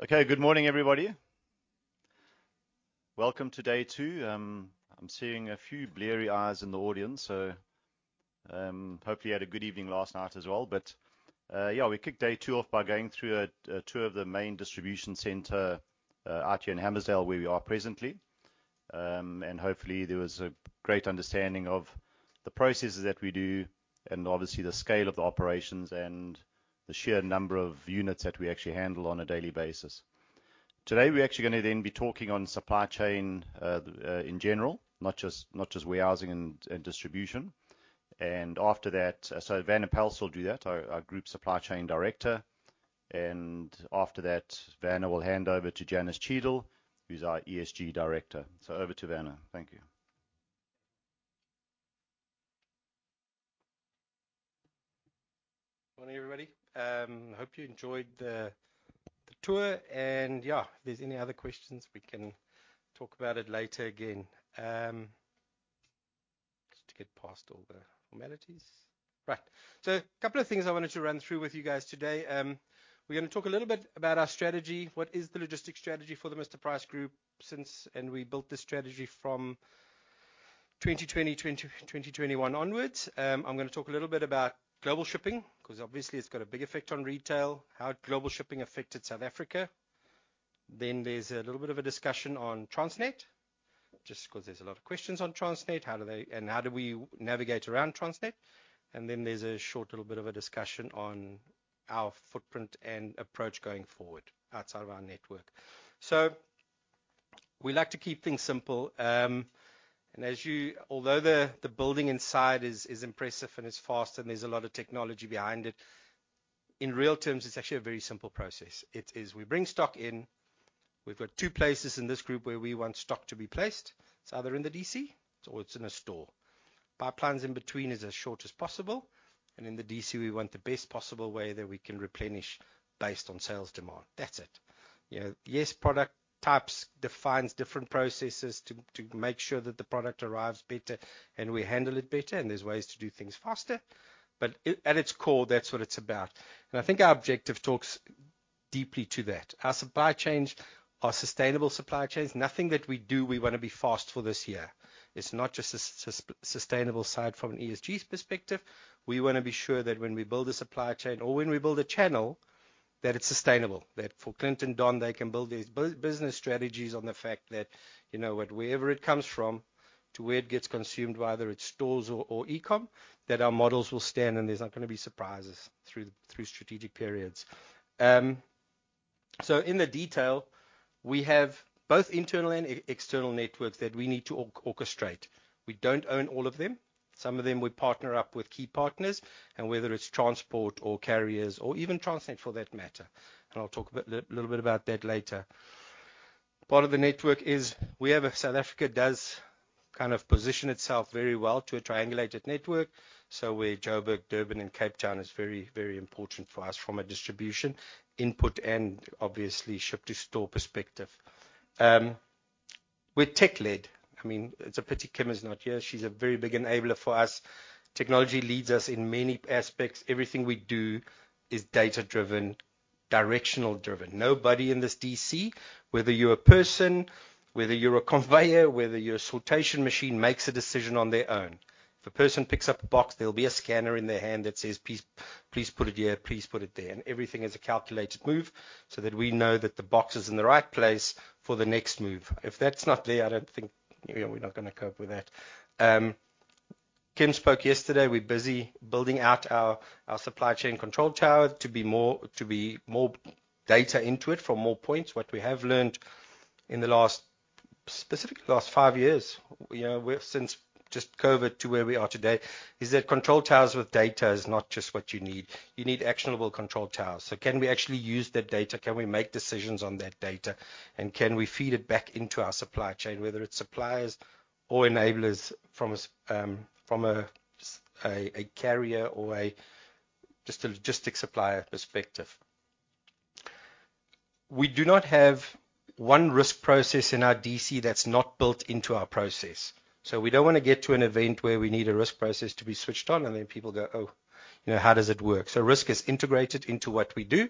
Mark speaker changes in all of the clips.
Speaker 1: Okay, good morning, everybody. Welcome to day two. I'm seeing a few bleary eyes in the audience, so hopefully you had a good evening last night as well. But yeah, we kicked day two off by going through a tour of the main distribution center out here in Hammarsdale, where we are presently. And hopefully, there was a great understanding of the processes that we do and obviously the scale of the operations and the sheer number of units that we actually handle on a daily basis. Today, we're actually gonna then be talking on supply chain in general, not just warehousing and distribution. So Werner Pelser will do that, our Group Supply Chain Director, and after that, Werner will hand over to Janis Cheadle, who's our ESG Director. So over to Werner. Thank you.
Speaker 2: Morning, everybody. Hope you enjoyed the tour, and yeah, if there's any other questions, we can talk about it later again. Just to get past all the formalities. Right. So a couple of things I wanted to run through with you guys today. We're gonna talk a little bit about our strategy. What is the logistics strategy for the Mr Price Group? We built this strategy from 2020, 2021 onwards. I'm gonna talk a little bit about global shipping, 'cause obviously it's got a big effect on retail, how global shipping affected South Africa. Then there's a little bit of a discussion on Transnet, just 'cause there's a lot of questions on Transnet, how do they and how do we navigate around Transnet? And then there's a short little bit of a discussion on our footprint and approach going forward outside of our network. So we like to keep things simple, although the building inside is impressive, and it's fast, and there's a lot of technology behind it, in real terms, it's actually a very simple process. It is, we bring stock in. We've got two places in this group where we want stock to be placed. It's either in the DC or it's in a store. Pipelines in between is as short as possible, and in the DC, we want the best possible way that we can replenish based on sales demand. That's it. You know, yes, product types defines different processes to make sure that the product arrives better and we handle it better, and there's ways to do things faster, but at its core, that's what it's about. And I think our objective talks deeply to that. Our supply chains, our sustainable supply chains, nothing that we do we wanna be fast for this year. It's not just a sustainable side from an ESG perspective. We wanna be sure that when we build a supply chain or when we build a channel, that it's sustainable, that for Clint and Don, they can build their business strategies on the fact that, you know what? Wherever it comes from to where it gets consumed, whether it's stores or e-com, that our models will stand, and there's not gonna be surprises through strategic periods. So in the detail, we have both internal and external networks that we need to orchestrate. We don't own all of them. Some of them, we partner up with key partners, and whether it's transport or carriers or even Transnet, for that matter, and I'll talk a bit about that later. Part of the network is South Africa does kind of position itself very well to a triangulated network, so where Johannesburg, Durban, and Cape Town is very, very important for us from a distribution input and obviously ship-to-store perspective. We're tech-led. I mean, it's a pity Kim is not here. She's a very big enabler for us. Technology leads us in many aspects. Everything we do is data-driven, directional-driven. Nobody in this DC, whether you're a person, whether you're a conveyor, whether you're a sortation machine, makes a decision on their own. If a person picks up a box, there'll be a scanner in their hand that says, "Please, please put it here. Please put it there." And everything is a calculated move so that we know that the box is in the right place for the next move. If that's not there, I don't think, you know, we're not gonna cope with that. Kim spoke yesterday. We're busy building out our supply chain control tower to be more data into it from more points. What we have learned, specifically last five years, you know, we've since just COVID to where we are today, is that control towers with data is not just what you need. You need actionable control towers. So can we actually use that data? Can we make decisions on that data, and can we feed it back into our supply chain, whether it's suppliers or enablers from a supplier, a carrier or a logistic supplier perspective? We do not have one risk process in our DC that's not built into our process. So we don't wanna get to an event where we need a risk process to be switched on, and then people go, "Oh, you know, how does it work?" So risk is integrated into what we do,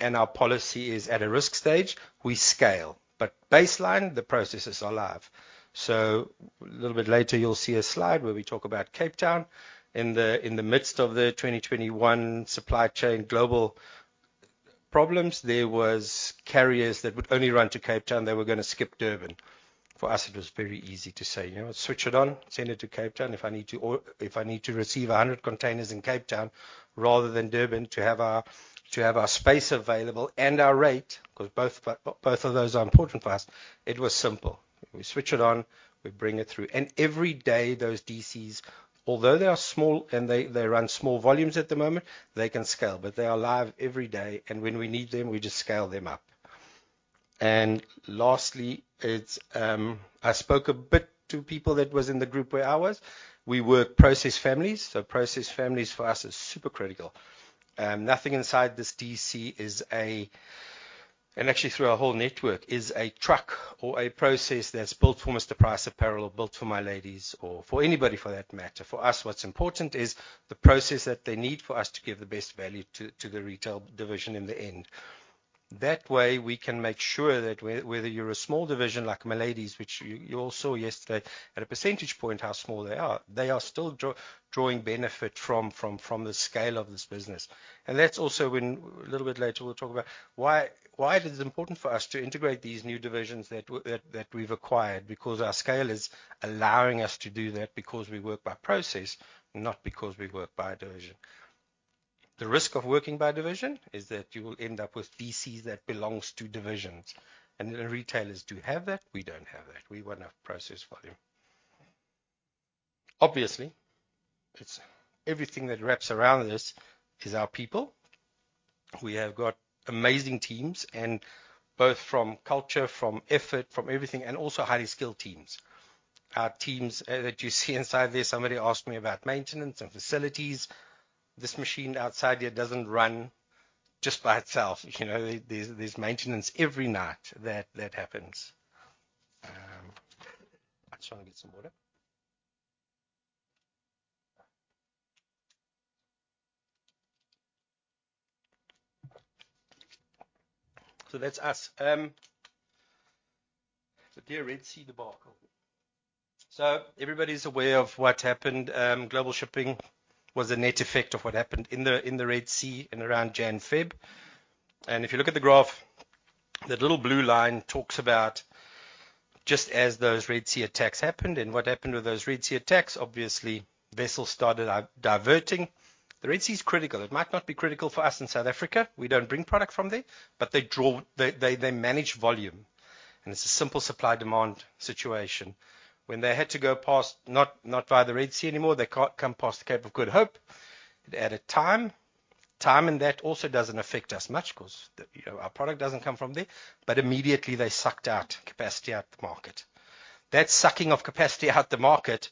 Speaker 2: and our policy is, at a risk stage, we scale, but baseline, the processes are live. So a little bit later, you'll see a slide where we talk about Cape Town. In the midst of the 2021 supply chain global problems, there was carriers that would only run to Cape Town. They were gonna skip Durban. For us, it was very easy to say, "You know what? Switch it on, send it to Cape Town." If I need to receive 100 containers in Cape Town rather than Durban, to have our space available and our rate, 'cause both of those are important for us, it was simple. We switch it on, we bring it through, and every day, those DCs, although they are small and they run small volumes at the moment, they can scale. But they are live every day, and when we need them, we just scale them up. And lastly, it's, I spoke a bit to people that was in the group where I was. We work process families, so process families for us is super critical. Nothing inside this DC is a... and actually through our whole network, is a truck or a process that's built for Mr Price Apparel or built for Miladys or for anybody for that matter. For us, what's important is the process that they need for us to give the best value to the retail division in the end. That way, we can make sure that whether you're a small division like Miladys, which you all saw yesterday, at a percentage point, how small they are, they are still drawing benefit from the scale of this business. And that's also when. A little bit later, we'll talk about why it is important for us to integrate these new divisions that we've acquired, because our scale is allowing us to do that because we work by process, not because we work by division. The risk of working by division is that you will end up with DCs that belong to divisions, and the retailers do have that. We don't have that. We want to have process volume. Obviously, it's everything that wraps around this is our people. We have got amazing teams, and both from culture, from effort, from everything, and also highly skilled teams. Our teams that you see inside there, somebody asked me about maintenance and facilities. This machine outside here doesn't run just by itself. You know, there's maintenance every night that happens. I just wanna get some water. So that's us. So the Red Sea debacle. So everybody's aware of what happened. Global shipping was a net effect of what happened in the Red Sea and around January, February. And if you look at the graph, that little blue line talks about just as those Red Sea attacks happened, and what happened with those Red Sea attacks, obviously, vessels started out diverting. The Red Sea is critical. It might not be critical for us in South Africa. We don't bring product from there, but they manage volume, and it's a simple supply-demand situation. When they had to go past, not via the Red Sea anymore, they can't come past the Cape of Good Hope. It added time. Time, and that also doesn't affect us much 'cause, you know, our product doesn't come from there, but immediately they sucked out capacity out the market. That sucking of capacity out the market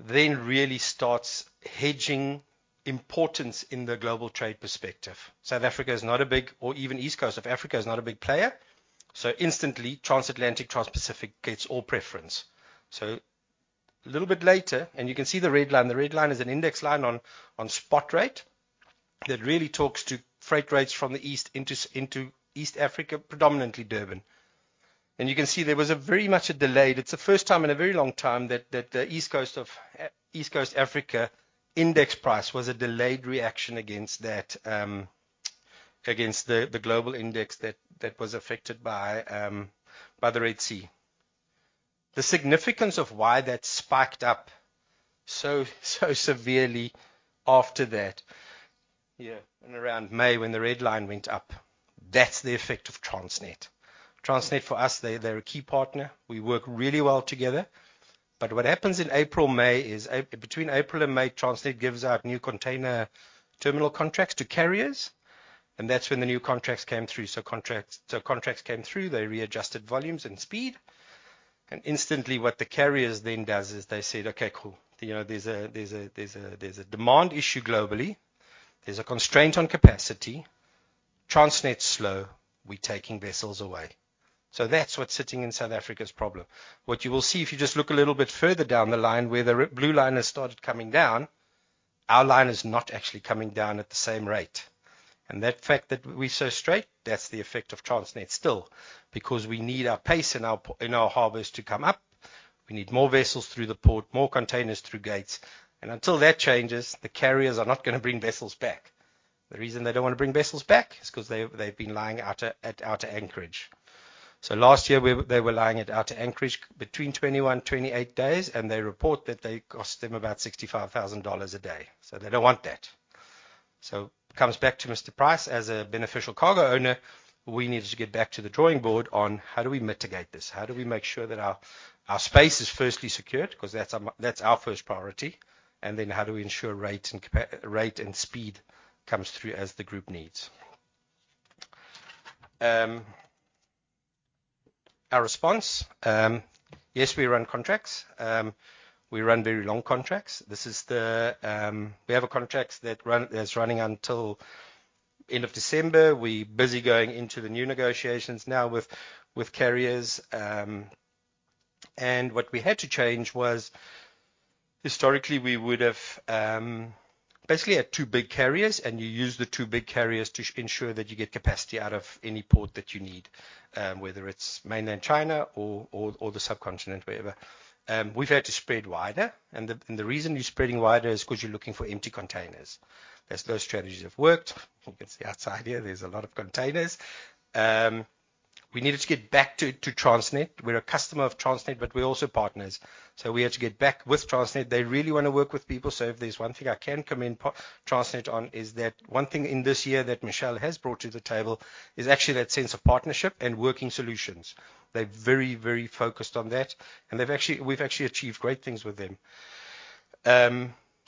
Speaker 2: then really starts hedging importance in the global trade perspective. South Africa is not a big... Or even the East Coast of Africa is not a big player, so instantly, transatlantic, transpacific gets all preference. So a little bit later, and you can see the red line. The red line is an index line on spot rate that really talks to freight rates from the east into East Africa, predominantly Durban. And you can see there was very much a delayed reaction. It's the first time in a very long time that the East Coast of Africa index price was a delayed reaction against that, against the global index that was affected by the Red Sea. The significance of why that spiked up so severely after that, yeah, in around May, when the red line went up, that's the effect of Transnet. Transnet, for us, they're a key partner. We work really well together. But what happens between April and May is Transnet gives out new container terminal contracts to carriers, and that's when the new contracts came through. So contracts came through, they readjusted volumes and speed, and instantly, what the carriers then does is they said, "Okay, cool. You know, there's a demand issue globally. There's a constraint on capacity. Transnet's slow, we taking vessels away." So that's what's sitting in South Africa's problem. What you will see if you just look a little bit further down the line, where the red blue line has started coming down, our line is not actually coming down at the same rate. And that fact that we're so straight, that's the effect of Transnet still, because we need our place in our ports to come up. We need more vessels through the port, more containers through gates, and until that changes, the carriers are not gonna bring vessels back. The reason they don't wanna bring vessels back is 'cause they've been lying out at outer anchorage. So last year, they were lying at outer anchorage between 21 and 28 days, and they report that it costs them about $65,000 a day, so they don't want that. So comes back to Mr Price. As a beneficial cargo owner, we needed to get back to the drawing board on: How do we mitigate this? How do we make sure that our space is firstly secured? 'Cause that's our first priority. How do we ensure rate and capacity? Rate and speed comes through as the group needs? Our response, yes, we run contracts. We run very long contracts. We have a contract that run, that's running until end of December. We're busy going into the new negotiations now with carriers. And what we had to change was, historically, we would have basically had two big carriers, and you use the two big carriers to ensure that you get capacity out of any port that you need, whether it's mainland China or the subcontinent, wherever. We've had to spread wider, and the reason you're spreading wider is 'cause you're looking for empty containers. As those strategies have worked, you can see outside here, there's a lot of containers. We needed to get back to Transnet. We're a customer of Transnet, but we're also partners, so we had to get back with Transnet. They really wanna work with people, so if there's one thing I can commend Transnet on, is that one thing in this year that Michelle has brought to the table is actually that sense of partnership and working solutions. They're very, very focused on that, and we've actually achieved great things with them.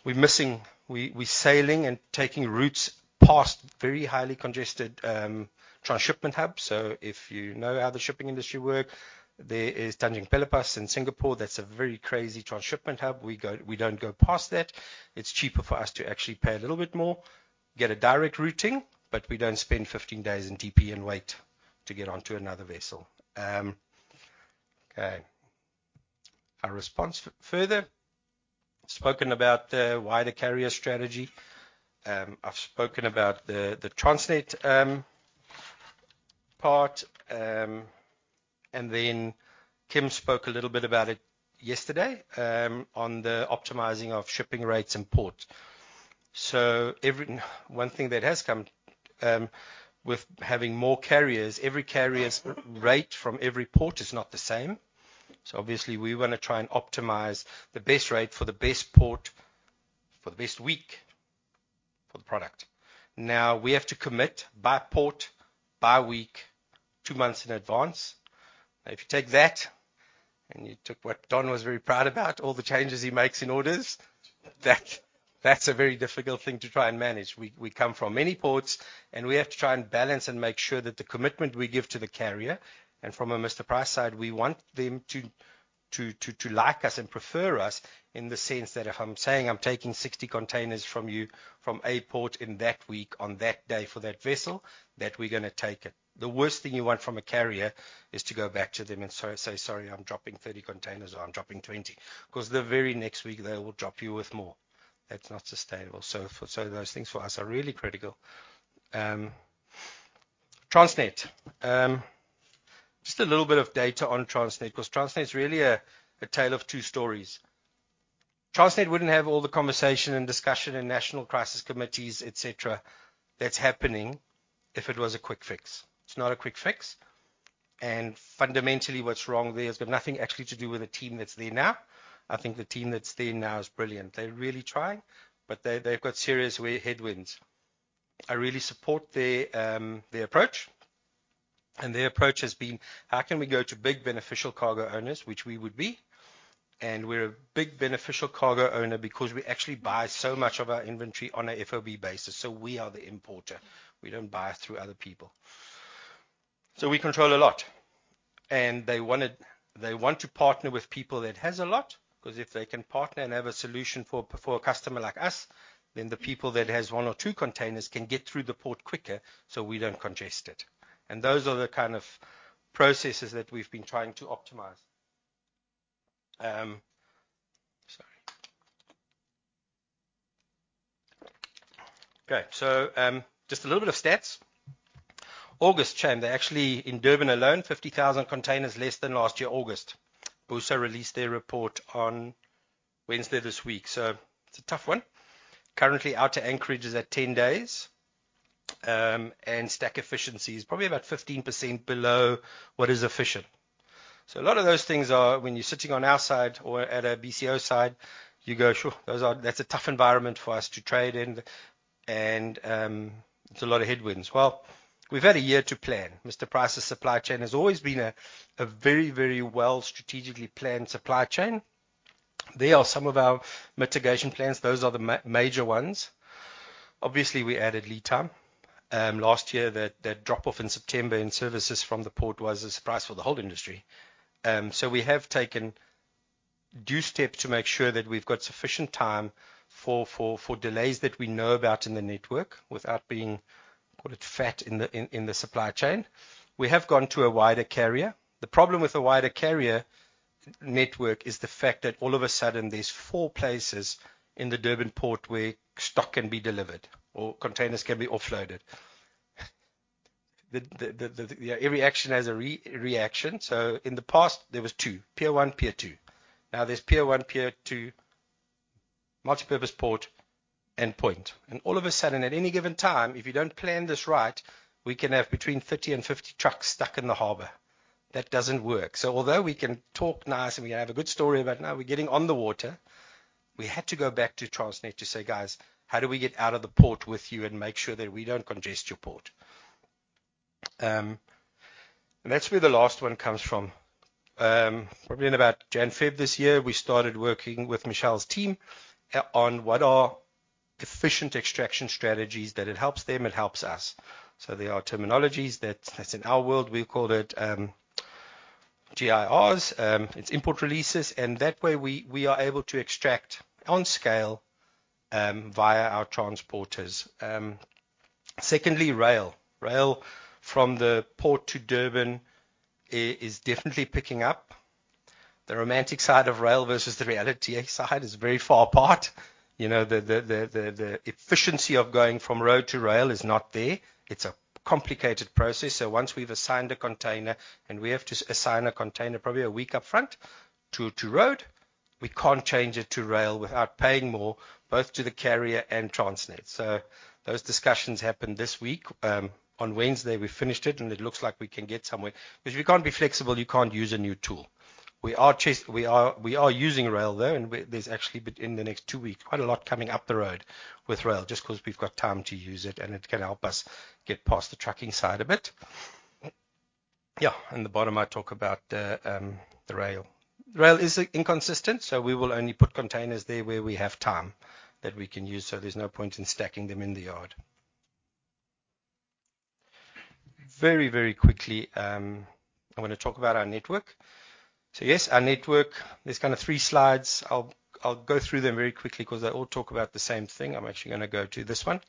Speaker 2: We're missing... We're sailing and taking routes past very highly congested transshipment hubs. So if you know how the shipping industry work, there is Tanjung Pelepas in Singapore. That's a very crazy transshipment hub. We don't go past that. It's cheaper for us to actually pay a little bit more, get a direct routing, but we don't spend 15 days in TP and wait to get onto another vessel. Okay, our response further spoken about the wider carrier strategy. I've spoken about the Transnet part, and then Kim spoke a little bit about it yesterday on the optimizing of shipping rates and ports. So one thing that has come with having more carriers, every carrier's rate from every port is not the same. So obviously we wanna try and optimize the best rate for the best port, for the best week, for the product. Now, we have to commit by port, by week, two months in advance. If you take that, and you took what Don was very proud about, all the changes he makes in orders, that, that's a very difficult thing to try and manage. We come from many ports, and we have to try and balance and make sure that the commitment we give to the carrier, and from a Mr Price side, we want them to like us and prefer us in the sense that if I'm saying I'm taking 60 containers from you from a port in that week, on that day, for that vessel, that we're gonna take it. The worst thing you want from a carrier is to go back to them and say, "Sorry, I'm dropping 30 containers, or I'm dropping 20." 'Cause the very next week they will drop you with more. That's not sustainable. So for... So those things for us are really critical. Transnet. Just a little bit of data on Transnet, 'cause Transnet is really a tale of two stories. Transnet wouldn't have all the conversation and discussion in national crisis committees, et cetera, that's happening, if it was a quick fix. It's not a quick fix, and fundamentally, what's wrong there has got nothing actually to do with the team that's there now. I think the team that's there now is brilliant. They really try, but they've got serious headwinds. I really support their approach, and their approach has been: how can we go to big beneficial cargo owners, which we would be? And we're a big beneficial cargo owner because we actually buy so much of our inventory on a FOB basis, so we are the importer. We don't buy through other people. So we control a lot, and they wanted, they want to partner with people that has a lot, 'cause if they can partner and have a solution for, for a customer like us, then the people that has one or two containers can get through the port quicker, so we don't congest it. And those are the kind of processes that we've been trying to optimize. Okay, so, just a little bit of stats. Supply chain, they're actually in Durban alone, 50,000 containers less than last year, August. BUSA released their report on Wednesday this week, so it's a tough one. Currently, outer anchorage is at 10 days, and stack efficiency is probably about 15% below what is efficient. So a lot of those things are when you're sitting on our side or at a BCO side, you go, "Sho! Those are, that's a tough environment for us to trade in, and it's a lot of headwinds." Well, we've had a year to plan. Mr Price's supply chain has always been a very, very well strategically planned supply chain. There are some of our mitigation plans. Those are the major ones. Obviously, we added lead time. Last year that drop-off in September in services from the port was a surprise for the whole industry. So we have taken due steps to make sure that we've got sufficient time for delays that we know about in the network without being, call it, fat in the supply chain. We have gone to a wider carrier. The problem with the wider carrier network is the fact that all of a sudden, there's four places in the Durban port where stock can be delivered or containers can be offloaded. Yeah, every action has a reaction. So in the past, there was two, Pier One, Pier Two. Now there's Pier One, Pier Two, multipurpose port and Point. And all of a sudden, at any given time, if you don't plan this right, we can have between 30 and 50 trucks stuck in the harbor. That doesn't work. So although we can talk nice, and we have a good story about now we're getting on the water, we had to go back to Transnet to say, "Guys, how do we get out of the port with you and make sure that we don't congest your port?" And that's where the last one comes from. Probably in about January, February this year, we started working with Michelle's team on what are efficient extraction strategies, that it helps them, it helps us. So there are terminologies that, that's in our world, we call it, GIRs, it's import releases, and that way we are able to extract on scale, via our transporters. Secondly, rail. Rail from the port to Durban is definitely picking up. The romantic side of rail versus the reality side is very far apart. You know, the efficiency of going from road to rail is not there. It's a complicated process, so once we've assigned a container, and we have to assign a container probably a week up front to road, we can't change it to rail without paying more, both to the carrier and Transnet. So those discussions happened this week. On Wednesday, we finished it, and it looks like we can get somewhere, but if you can't be flexible, you can't use a new tool. We are using rail, though, and there's actually in the next two weeks, quite a lot coming up the road with rail, just 'cause we've got time to use it, and it can help us get past the trucking side of it. Yeah, in the bottom, I talk about the rail. Rail is inconsistent, so we will only put containers there where we have time that we can use, so there's no point in stacking them in the yard. Very, very quickly, I wanna talk about our network, so yes, our network, there's kind of three slides. I'll go through them very quickly 'cause they all talk about the same thing. I'm actually gonna go to this one.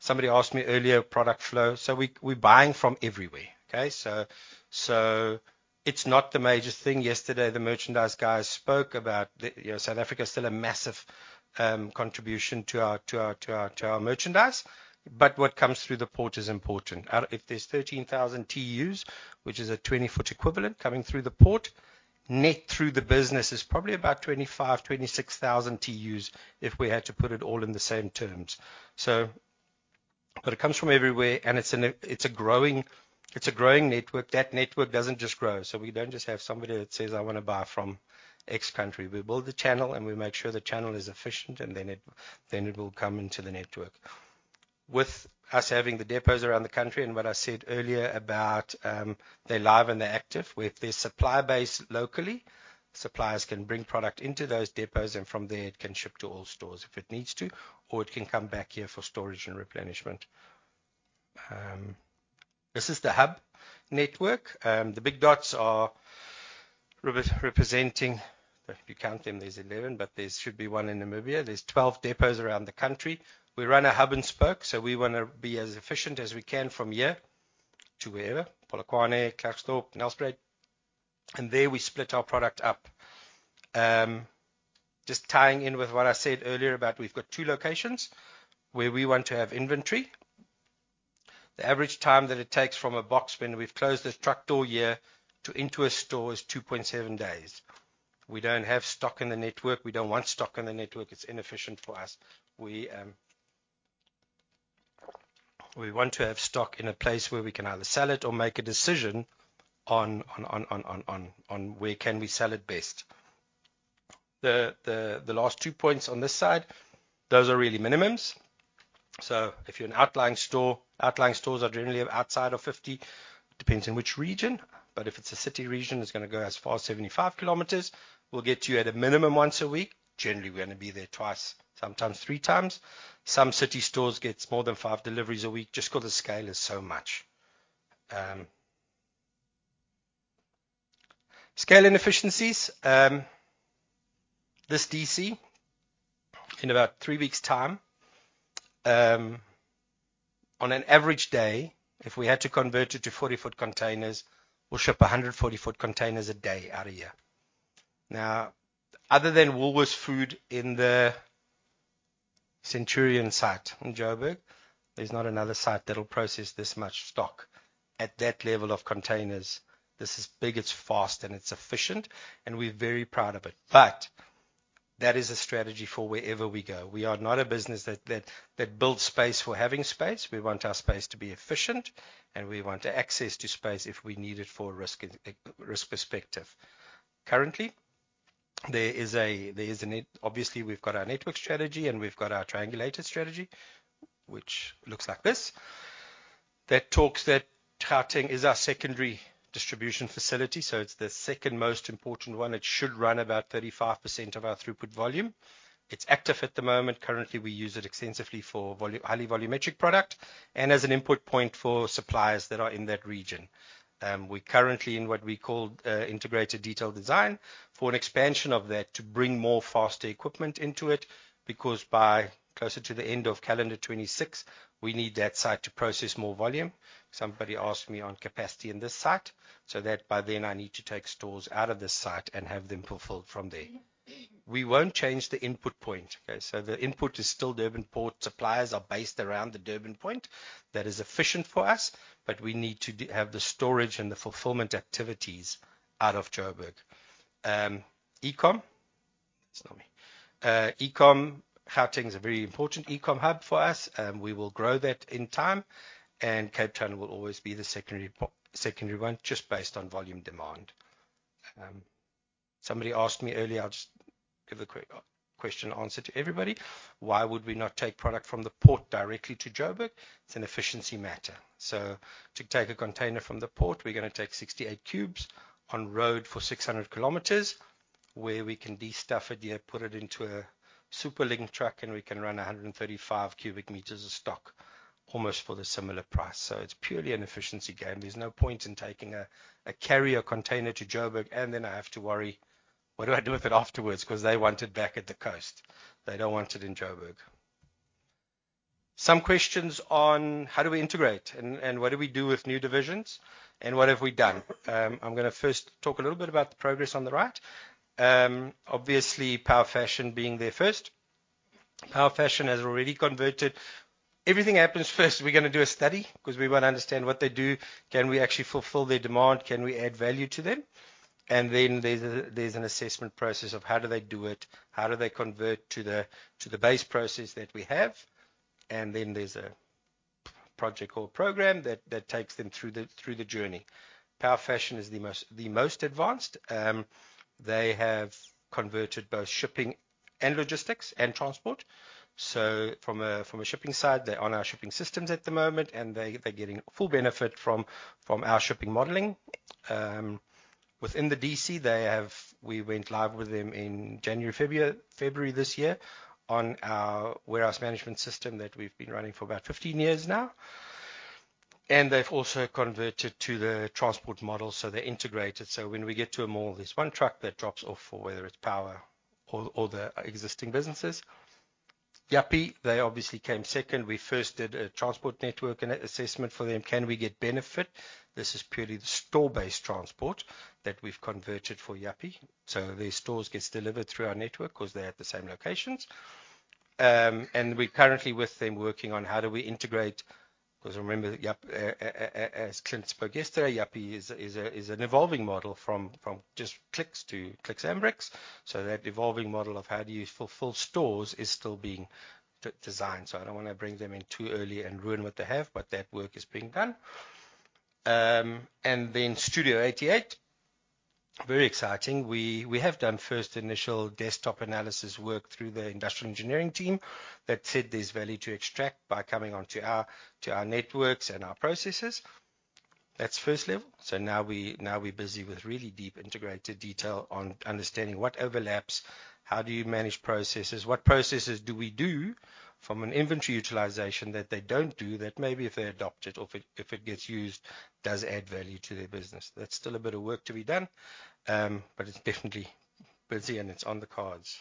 Speaker 2: Somebody asked me earlier, product flow. So we're buying from everywhere, okay? So it's not the major thing. Yesterday, the merchandise guys spoke about the. You know, South Africa is still a massive contribution to our merchandise, but what comes through the port is important. If there's 13,000 TEUs, which is a twenty-foot equivalent coming through the port, net through the business is probably about 25,000-26,000 TEUs if we had to put it all in the same terms. But it comes from everywhere, and it's a growing network. That network doesn't just grow, so we don't just have somebody that says, "I wanna buy from X country." We build the channel, and we make sure the channel is efficient, and then it will come into the network. With us having the depots around the country and what I said earlier about, they're live and they're active, with their supply base locally, suppliers can bring product into those depots, and from there it can ship to all stores if it needs to, or it can come back here for storage and replenishment. This is the hub network. The big dots are representing... If you count them, there's 11, but there should be one in Namibia. There's 12 depots around the country. We run a hub and spoke, so we wanna be as efficient as we can from here to wherever, Polokwane, Klerksdorp, Nelspruit, and there we split our product up. Just tying in with what I said earlier about we've got two locations where we want to have inventory. The average time that it takes from a box when we've closed the truck door here to into a store is 2.7 days. We don't have stock in the network. We don't want stock in the network. It's inefficient for us. We want to have stock in a place where we can either sell it or make a decision on where can we sell it best. The last two points on this side, those are really minimums. So if you're an outlying store, outlying stores are generally outside of 50, depends on which region, but if it's a city region, it's gonna go as far as 75 km. We'll get to you at a minimum once a week. Generally, we're gonna be there twice, sometimes three times. Some city stores gets more than five deliveries a week just because the scale is so much. Scale and efficiencies. This DC, in about three weeks time, on an average day, if we had to convert it to 40-foot containers, we'll ship 100, 40-foot containers a day out of here. Now, other than Woolworths Food in the Centurion site in Johannesburg, there's not another site that'll process this much stock at that level of containers. This is big, it's fast, and it's efficient, and we're very proud of it. But that is a strategy for wherever we go. We are not a business that builds space for having space. We want our space to be efficient, and we want access to space if we need it for risk perspective. Currently, there is a network. Obviously, we've got our network strategy, and we've got our triangulator strategy, which looks like this. That talks that Gauteng is our secondary distribution facility, so it's the second most important one. It should run about 35% of our throughput volume. It's active at the moment. Currently, we use it extensively for highly volumetric product and as an input point for suppliers that are in that region. We're currently in what we call integrated detailed design for an expansion of that to bring more faster equipment into it, because by closer to the end of calendar 2026, we need that site to process more volume. Somebody asked me on capacity in this site, so that by then I need to take stores out of this site and have them fulfilled from there. We won't change the input point, okay? So the input is still Durban Port. Suppliers are based around the Durban point. That is efficient for us, but we need to have the storage and the fulfillment activities out of Joburg. E-com, Gauteng, is a very important e-com hub for us, and we will grow that in time, and Cape Town will always be the secondary one, just based on volume demand. Somebody asked me earlier. I'll just give the question, answer to everybody: Why would we not take product from the port directly to Joburg? It's an efficiency matter. So to take a container from the port, we're gonna take 68 cubes on road for 600 kilometers, where we can destuff it here, put it into a superlink truck, and we can run 135 cubic meters of stock, almost for the similar price. So it's purely an efficiency game. There's no point in taking a carrier container to Joburg, and then I have to worry, what do I do with it afterwards? 'Cause they want it back at the coast. They don't want it in Joburg. Some questions on how do we integrate, and what do we do with new divisions, and what have we done? I'm gonna first talk a little bit about the progress on the right. Obviously, Power Fashion being there first. Power Fashion has already converted. Everything happens first. We're gonna do a study 'cause we wanna understand what they do. Can we actually fulfill their demand? Can we add value to them? And then there's an assessment process of how do they do it, how do they convert to the base process that we have, and then there's a project or program that takes them through the journey. Power Fashion is the most advanced. They have converted both shipping and logistics and transport. So from a shipping side, they're on our shipping systems at the moment, and they're getting full benefit from our shipping modeling. Within the DC, they have. We went live with them in January, February, February this year on our warehouse management system that we've been running for about fifteen years now, and they've also converted to the transport model, so they're integrated. So when we get to a mall, there's one truck that drops off for whether it's Power or the existing businesses. Yuppiechef, they obviously came second. We first did a transport network and an assessment for them. Can we get benefit? This is purely the store-based transport that we've converted for Yuppiechef, so their stores gets delivered through our network 'cause they're at the same locations, and we're currently with them working on how do we integrate. 'Cause remember, that Yuppiechef, as Clint spoke yesterday, Yuppiechef is an evolving model from just Clicks to Clicks and Bricks. So that evolving model of how do you fulfill stores is still being designed. So I don't want to bring them in too early and ruin what they have, but that work is being done. And then Studio 88, very exciting. We have done first initial desktop analysis work through the industrial engineering team that said there's value to extract by coming onto our networks and our processes. That's first level. So now we're busy with really deep integrated detail on understanding what overlaps, how do you manage processes, what processes do we do from an inventory utilization that they don't do, that maybe if they adopt it or if it gets used, does add value to their business. That's still a bit of work to be done, but it's definitely busy, and it's on the cards.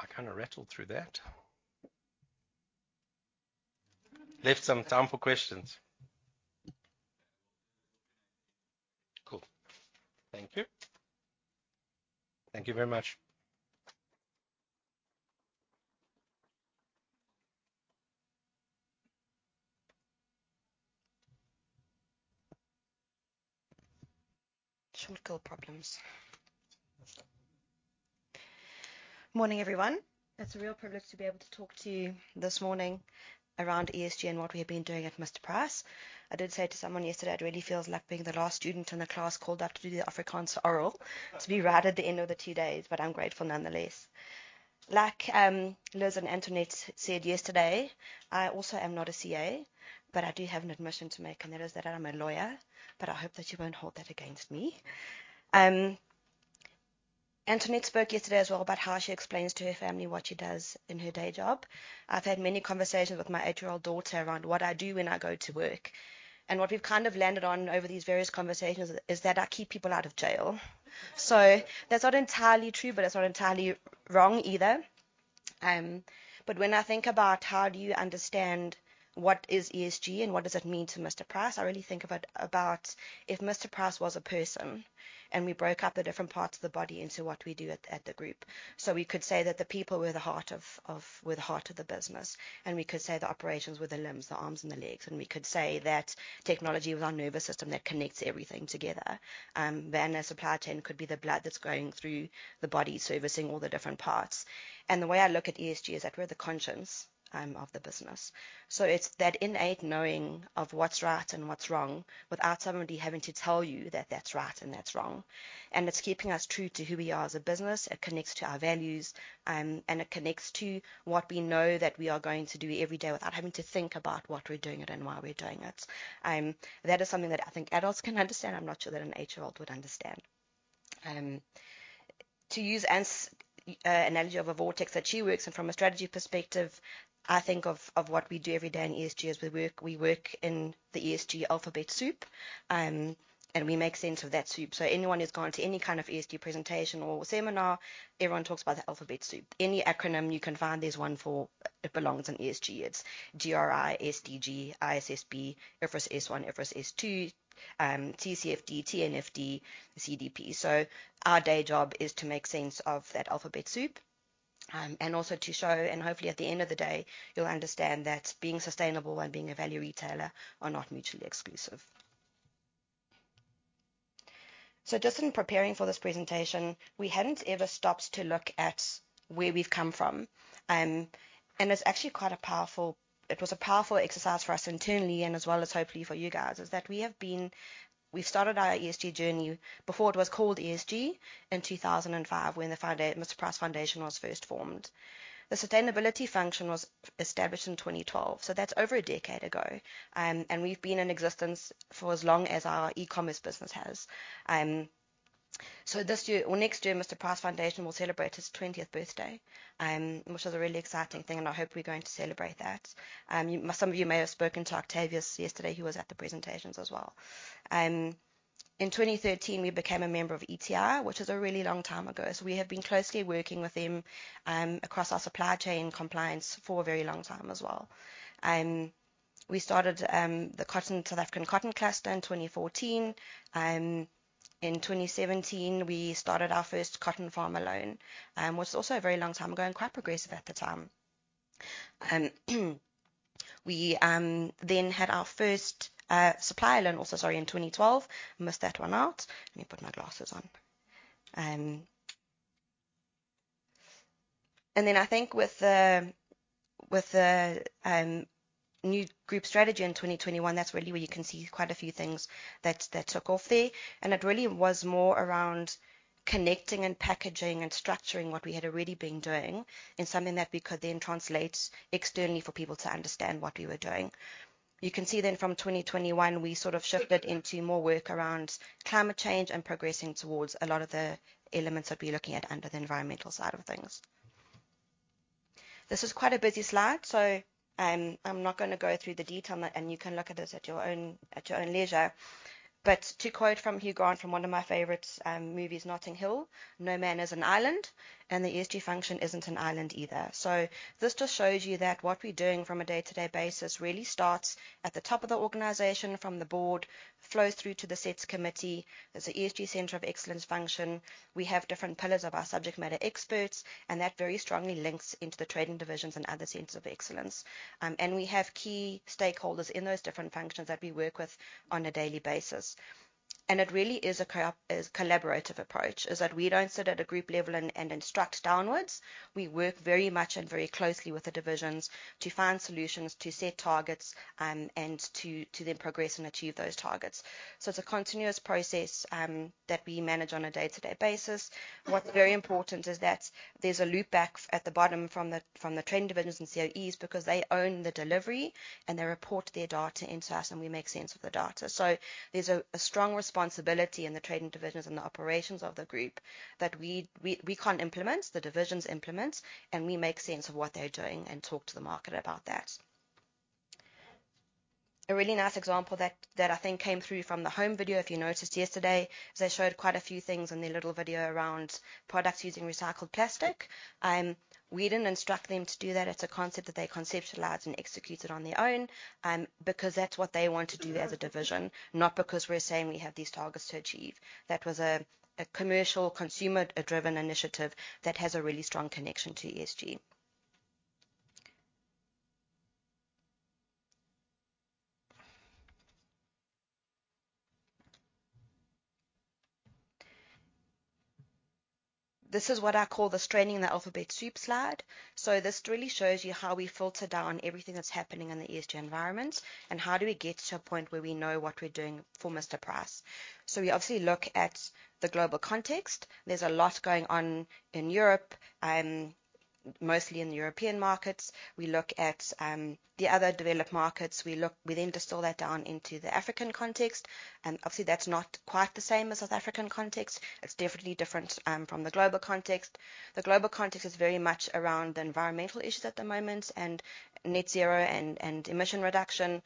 Speaker 2: I kind of rattled through that. Left some time for questions. Cool. Thank you. Thank you very much.
Speaker 3: Short girl problems. Morning, everyone. It's a real privilege to be able to talk to you this morning around ESG and what we have been doing at Mr Price. I did say to someone yesterday, it really feels like being the last student in the class called up to do the Afrikaans oral, to be right at the end of the two days, but I'm grateful nonetheless. Like, Liz and Antoinette said yesterday, I also am not a CA, but I do have an admission to make, and that is that I'm a lawyer, but I hope that you won't hold that against me. Antoinette spoke yesterday as well about how she explains to her family what she does in her day job. I've had many conversations with my eight-year-old daughter around what I do when I go to work, and what we've kind of landed on over these various conversations is that I keep people out of jail. So that's not entirely true, but it's not entirely wrong either. But when I think about how do you understand what is ESG and what does it mean to Mr Price, I really think about if Mr Price was a person and we broke up the different parts of the body into what we do at the group. So we could say that the people were the heart of the business, and we could say that the operations were the limbs, the arms and the legs, and we could say that technology was our nervous system that connects everything together. Then the supply chain could be the blood that's going through the body, servicing all the different parts. And the way I look at ESG is that we're the conscience of the business. So it's that innate knowing of what's right and what's wrong without somebody having to tell you that that's right and that's wrong, and it's keeping us true to who we are as a business. It connects to our values, and it connects to what we know that we are going to do every day without having to think about what we're doing it and why we're doing it. That is something that I think adults can understand. I'm not sure that an eight-year-old would understand. To use Ant's analogy of a vortex that she works in from a strategy perspective, I think of what we do every day in ESG as we work in the ESG alphabet soup, and we make sense of that soup. So anyone who's gone to any kind of ESG presentation or seminar, everyone talks about the alphabet soup. Any acronym you can find, there's one for it. It belongs in ESG. It's GRI, SDG, ISSB, IFRS S1, IFRS S2, TCFD, TNFD, CDP. So our day job is to make sense of that alphabet soup, and also to show and hopefully at the end of the day, you'll understand that being sustainable and being a value retailer are not mutually exclusive. So just in preparing for this presentation, we hadn't ever stopped to look at where we've come from. And it's actually quite a powerful... It was a powerful exercise for us internally and as well as hopefully for you guys, is that we have been. We started our ESG journey before it was called ESG in 2005, when the Mr Price Foundation was first formed. The sustainability function was established in 2012, so that's over a decade ago. And we've been in existence for as long as our e-commerce business has. So this year, or next year, Mr Price Foundation will celebrate its twentieth birthday, which is a really exciting thing, and I hope we're going to celebrate that. Some of you may have spoken to Octavius yesterday. He was at the presentations as well. In 2013, we became a member of ETI, which is a really long time ago. So we have been closely working with them, across our supply chain compliance for a very long time as well. We started the South African Cotton Cluster in 2014. In 2017, we started our first cotton farm alone, which is also a very long time ago and quite progressive at the time. We then had our first supplier loan also, sorry, in 2012. Missed that one out. Let me put my glasses on. And then I think with the new group strategy in 2021, that's really where you can see quite a few things that took off there, and it really was more around connecting and packaging and structuring what we had already been doing, and something that we could then translate externally for people to understand what we were doing. We-... You can see then from 2021, we sort of shifted into more work around climate change and progressing towards a lot of the elements that we're looking at under the environmental side of things. This is quite a busy slide, so, I'm not going to go through the detail, and you can look at this at your own leisure. But to quote from Hugh Grant, from one of my favorites, movies, Notting Hill, "No man is an island," and the ESG function isn't an island either. So this just shows you that what we're doing from a day-to-day basis really starts at the top of the organization, from the board, flows through to the Social and Ethics committee. There's an ESG Center of Excellence function. We have different pillars of our subject matter experts, and that very strongly links into the trading divisions and other centers of excellence, and we have key stakeholders in those different functions that we work with on a daily basis, and it really is a collaborative approach is that we don't sit at a group level and instruct downwards. We work very much and very closely with the divisions to find solutions, to set targets, and to then progress and achieve those targets, so it's a continuous process that we manage on a day-to-day basis. What's very important is that there's a loopback at the bottom from the trading divisions and COEs because they own the delivery, and they report their data into us, and we make sense of the data. There's a strong responsibility in the trading divisions and the operations of the group that we can't implement, the divisions implement, and we make sense of what they're doing and talk to the market about that. A really nice example that I think came through from the Home video, if you noticed yesterday, is they showed quite a few things in their little video around products using recycled plastic. We didn't instruct them to do that. It's a concept that they conceptualized and executed on their own, because that's what they want to do as a division, not because we're saying we have these targets to achieve. That was a commercial, consumer-driven initiative that has a really strong connection to ESG. This is what I call the straining the alphabet soup slide. This really shows you how we filter down everything that's happening in the ESG environment and how do we get to a point where we know what we're doing for Mr Price. We obviously look at the global context. There's a lot going on in Europe, mostly in the European markets. We look at the other developed markets. We then distill that down into the African context, and obviously, that's not quite the same as South African context. It's definitely different from the global context. The global context is very much around the environmental issues at the moment and net zero and emission reduction.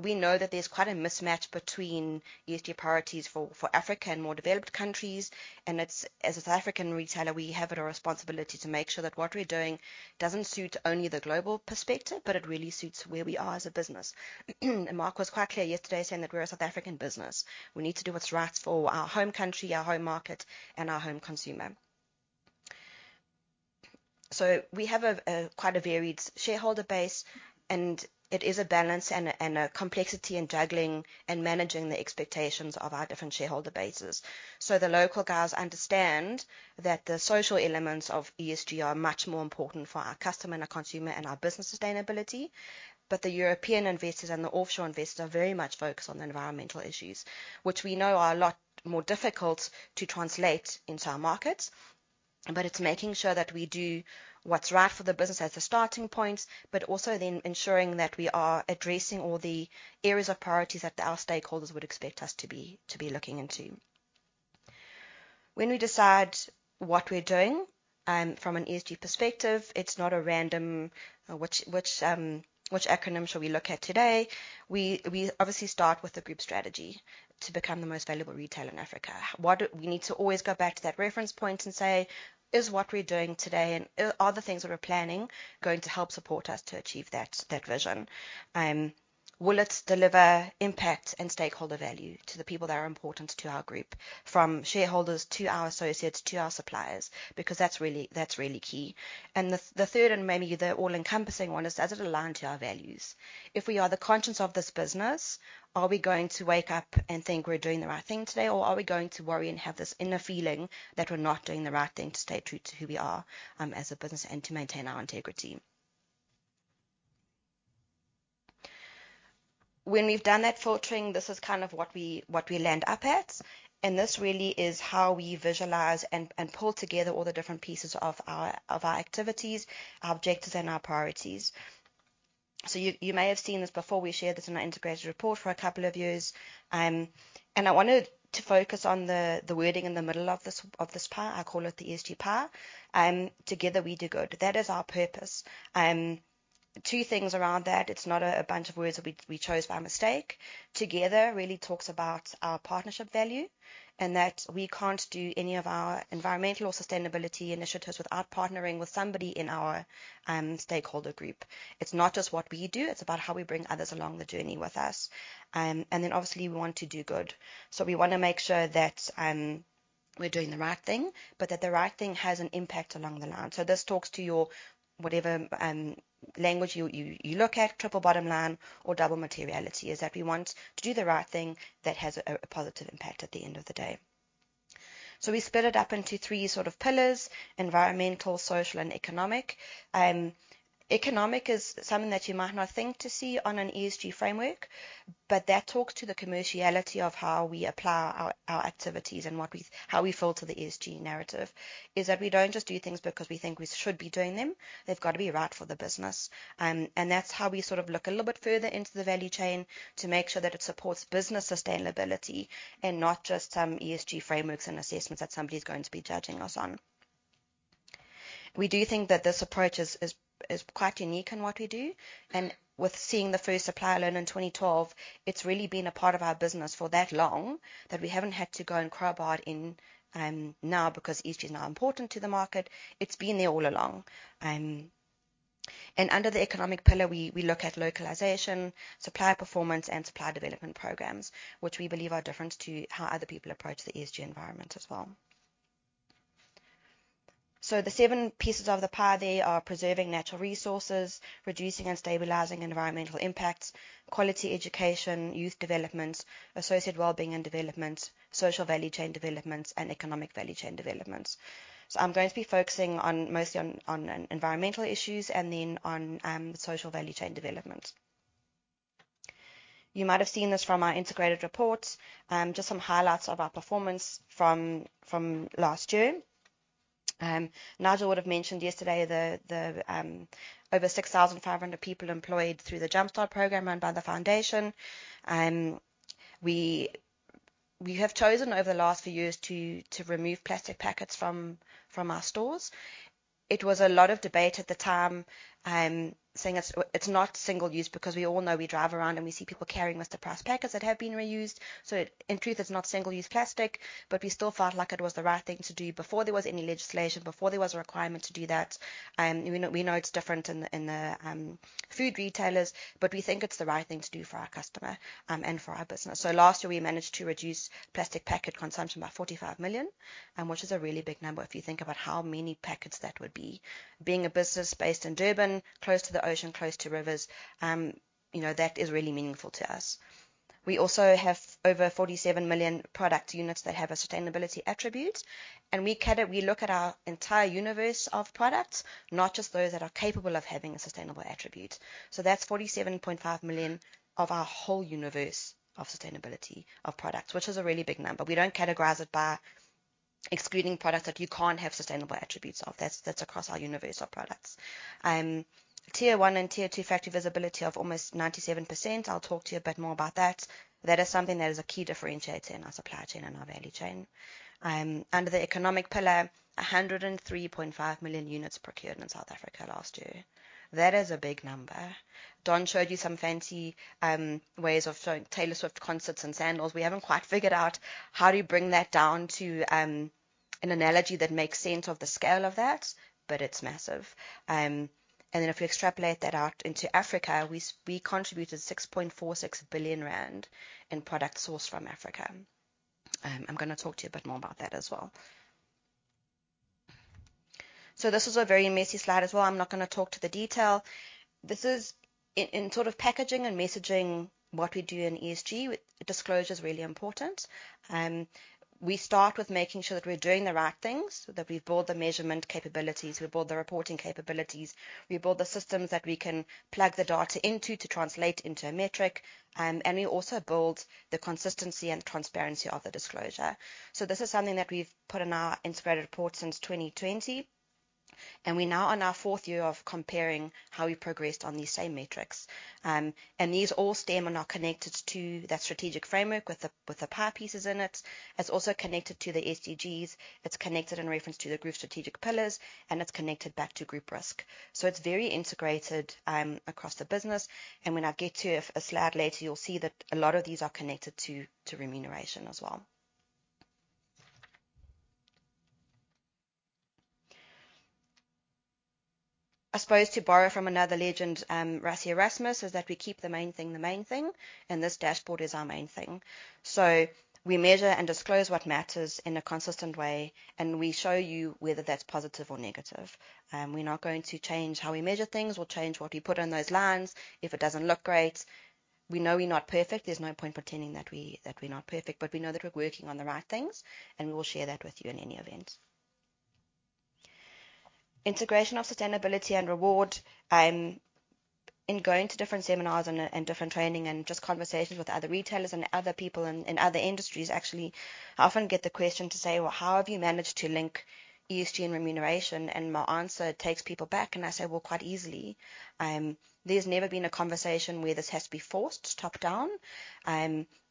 Speaker 3: We know that there's quite a mismatch between ESG priorities for Africa and more developed countries, and it's... As a South African retailer, we have it our responsibility to make sure that what we're doing doesn't suit only the global perspective, but it really suits where we are as a business. And Mark was quite clear yesterday saying that we're a South African business. We need to do what's right for our home country, our home market, and our home consumer. So we have a quite varied shareholder base, and it is a balance and a complexity in juggling and managing the expectations of our different shareholder bases. So the local guys understand that the social elements of ESG are much more important for our customer and our consumer and our business sustainability. The European investors and the offshore investors are very much focused on the environmental issues, which we know are a lot more difficult to translate into our markets, but it's making sure that we do what's right for the business as a starting point, but also then ensuring that we are addressing all the areas of priorities that our stakeholders would expect us to be looking into. When we decide what we're doing, from an ESG perspective, it's not a random, "Which acronym shall we look at today?" We obviously start with the group strategy: to become the most valuable retailer in Africa. We need to always go back to that reference point and say: Is what we're doing today and are the things that we're planning going to help support us to achieve that vision? Will it deliver impact and stakeholder value to the people that are important to our group, from shareholders to our associates to our suppliers? Because that's really, that's really key. And the third, and maybe the all-encompassing one is: Does it align to our values? If we are the conscience of this business, are we going to wake up and think we're doing the right thing today, or are we going to worry and have this inner feeling that we're not doing the right thing to stay true to who we are, as a business and to maintain our integrity? When we've done that filtering, this is kind of what we land up at, and this really is how we visualize and pull together all the different pieces of our activities, our objectives, and our priorities. You may have seen this before. We shared this in our integrated report for a couple of years. I wanted to focus on the wording in the middle of this pie. I call it the ESG pie. Together we do good. That is our purpose. Two things around that. It's not a bunch of words that we chose by mistake. Together really talks about our partnership value and that we can't do any of our environmental or sustainability initiatives without partnering with somebody in our stakeholder group. It's not just what we do, it's about how we bring others along the journey with us. Then obviously, we want to do good. We want to make sure that we're doing the right thing, but that the right thing has an impact along the line. So this talks to your whatever language you look at, triple bottom line or double materiality, is that we want to do the right thing that has a positive impact at the end of the day. So we split it up into three sort of pillars: environmental, social, and economic. Economic is something that you might not think to see on an ESG framework. But that talks to the commerciality of how we apply our activities and what we, how we filter the ESG narrative, is that we don't just do things because we think we should be doing them. They've got to be right for the business. And that's how we sort of look a little bit further into the value chain to make sure that it supports business sustainability, and not just some ESG frameworks and assessments that somebody's going to be judging us on. We do think that this approach is quite unique in what we do, and with seeing the first supplier loan in 2012, it's really been a part of our business for that long, that we haven't had to go and crowbar it in, now because ESG is now important to the market. It's been there all along. And under the economic pillar, we look at localization, supplier performance, and supplier development programs, which we believe are different to how other people approach the ESG environment as well. The seven pieces of the pie there are preserving natural resources, reducing and stabilizing environmental impacts, quality education, youth development, associate well-being and development, social value chain development, and economic value chain development. I'm going to be focusing on mostly on environmental issues and then on social value chain development. You might have seen this from our integrated reports. Just some highlights of our performance from last year. Nigel would have mentioned yesterday the over 6,500 people employed through the Jumpstart program run by the foundation. We have chosen over the last few years to remove plastic packets from our stores. It was a lot of debate at the time saying it's not single use because we all know we drive around and we see people carrying Mr.Price packets that have been reused. In truth, it's not single-use plastic, but we still felt like it was the right thing to do before there was any legislation, before there was a requirement to do that. We know it's different in the food retailers, but we think it's the right thing to do for our customer, and for our business. So last year, we managed to reduce plastic packet consumption by 45 million, which is a really big number if you think about how many packets that would be. Being a business based in Durban, close to the ocean, close to rivers, you know, that is really meaningful to us. We also have over 47 million product units that have a sustainability attribute, and we look at our entire universe of products, not just those that are capable of having a sustainable attribute. So that's 47.5 million of our whole universe of sustainability of products, which is a really big number. We don't categorize it by excluding products that you can't have sustainable attributes of. That's across our universe of products. Tier one and tier two factory visibility of almost 97%. I'll talk to you a bit more about that. That is something that is a key differentiator in our supply chain and our value chain. Under the economic pillar, 103.5 million units procured in South Africa last year. That is a big number. Don showed you some fancy ways of showing Taylor Swift concerts and sandals. We haven't quite figured out how do you bring that down to an analogy that makes sense of the scale of that, but it's massive. And then if we extrapolate that out into Africa, we contributed 6.46 billion rand in product sourced from Africa. I'm going to talk to you a bit more about that as well. So this was a very messy slide as well. I'm not going to talk to the detail. This is... In sort of packaging and messaging, what we do in ESG disclosure is really important. We start with making sure that we're doing the right things, that we've built the measurement capabilities, we've built the reporting capabilities, we've built the systems that we can plug the data into to translate into a metric, and we also build the consistency and transparency of the disclosure. So this is something that we've put in our integrated report since 2020, and we're now on our fourth year of comparing how we progressed on these same metrics. And these all stem and are connected to that strategic framework with the pie pieces in it. It's also connected to the SDGs, it's connected in reference to the group strategic pillars, and it's connected back to group risk. So it's very integrated across the business, and when I get to a slide later, you'll see that a lot of these are connected to remuneration as well. I suppose to borrow from another legend, Rassie Erasmus, is that we keep the main thing, the main thing, and this dashboard is our main thing. So we measure and disclose what matters in a consistent way, and we show you whether that's positive or negative. We're not going to change how we measure things or change what we put on those lines if it doesn't look great. We know we're not perfect. There's no point pretending that we're not perfect, but we know that we're working on the right things, and we will share that with you in any event. Integration of sustainability and reward. In going to different seminars and different training and just conversations with other retailers and other people in other industries, actually, I often get the question to say: "Well, how have you managed to link ESG and remuneration?" And my answer takes people back, and I say, "Well, quite easily." There's never been a conversation where this has to be forced top-down.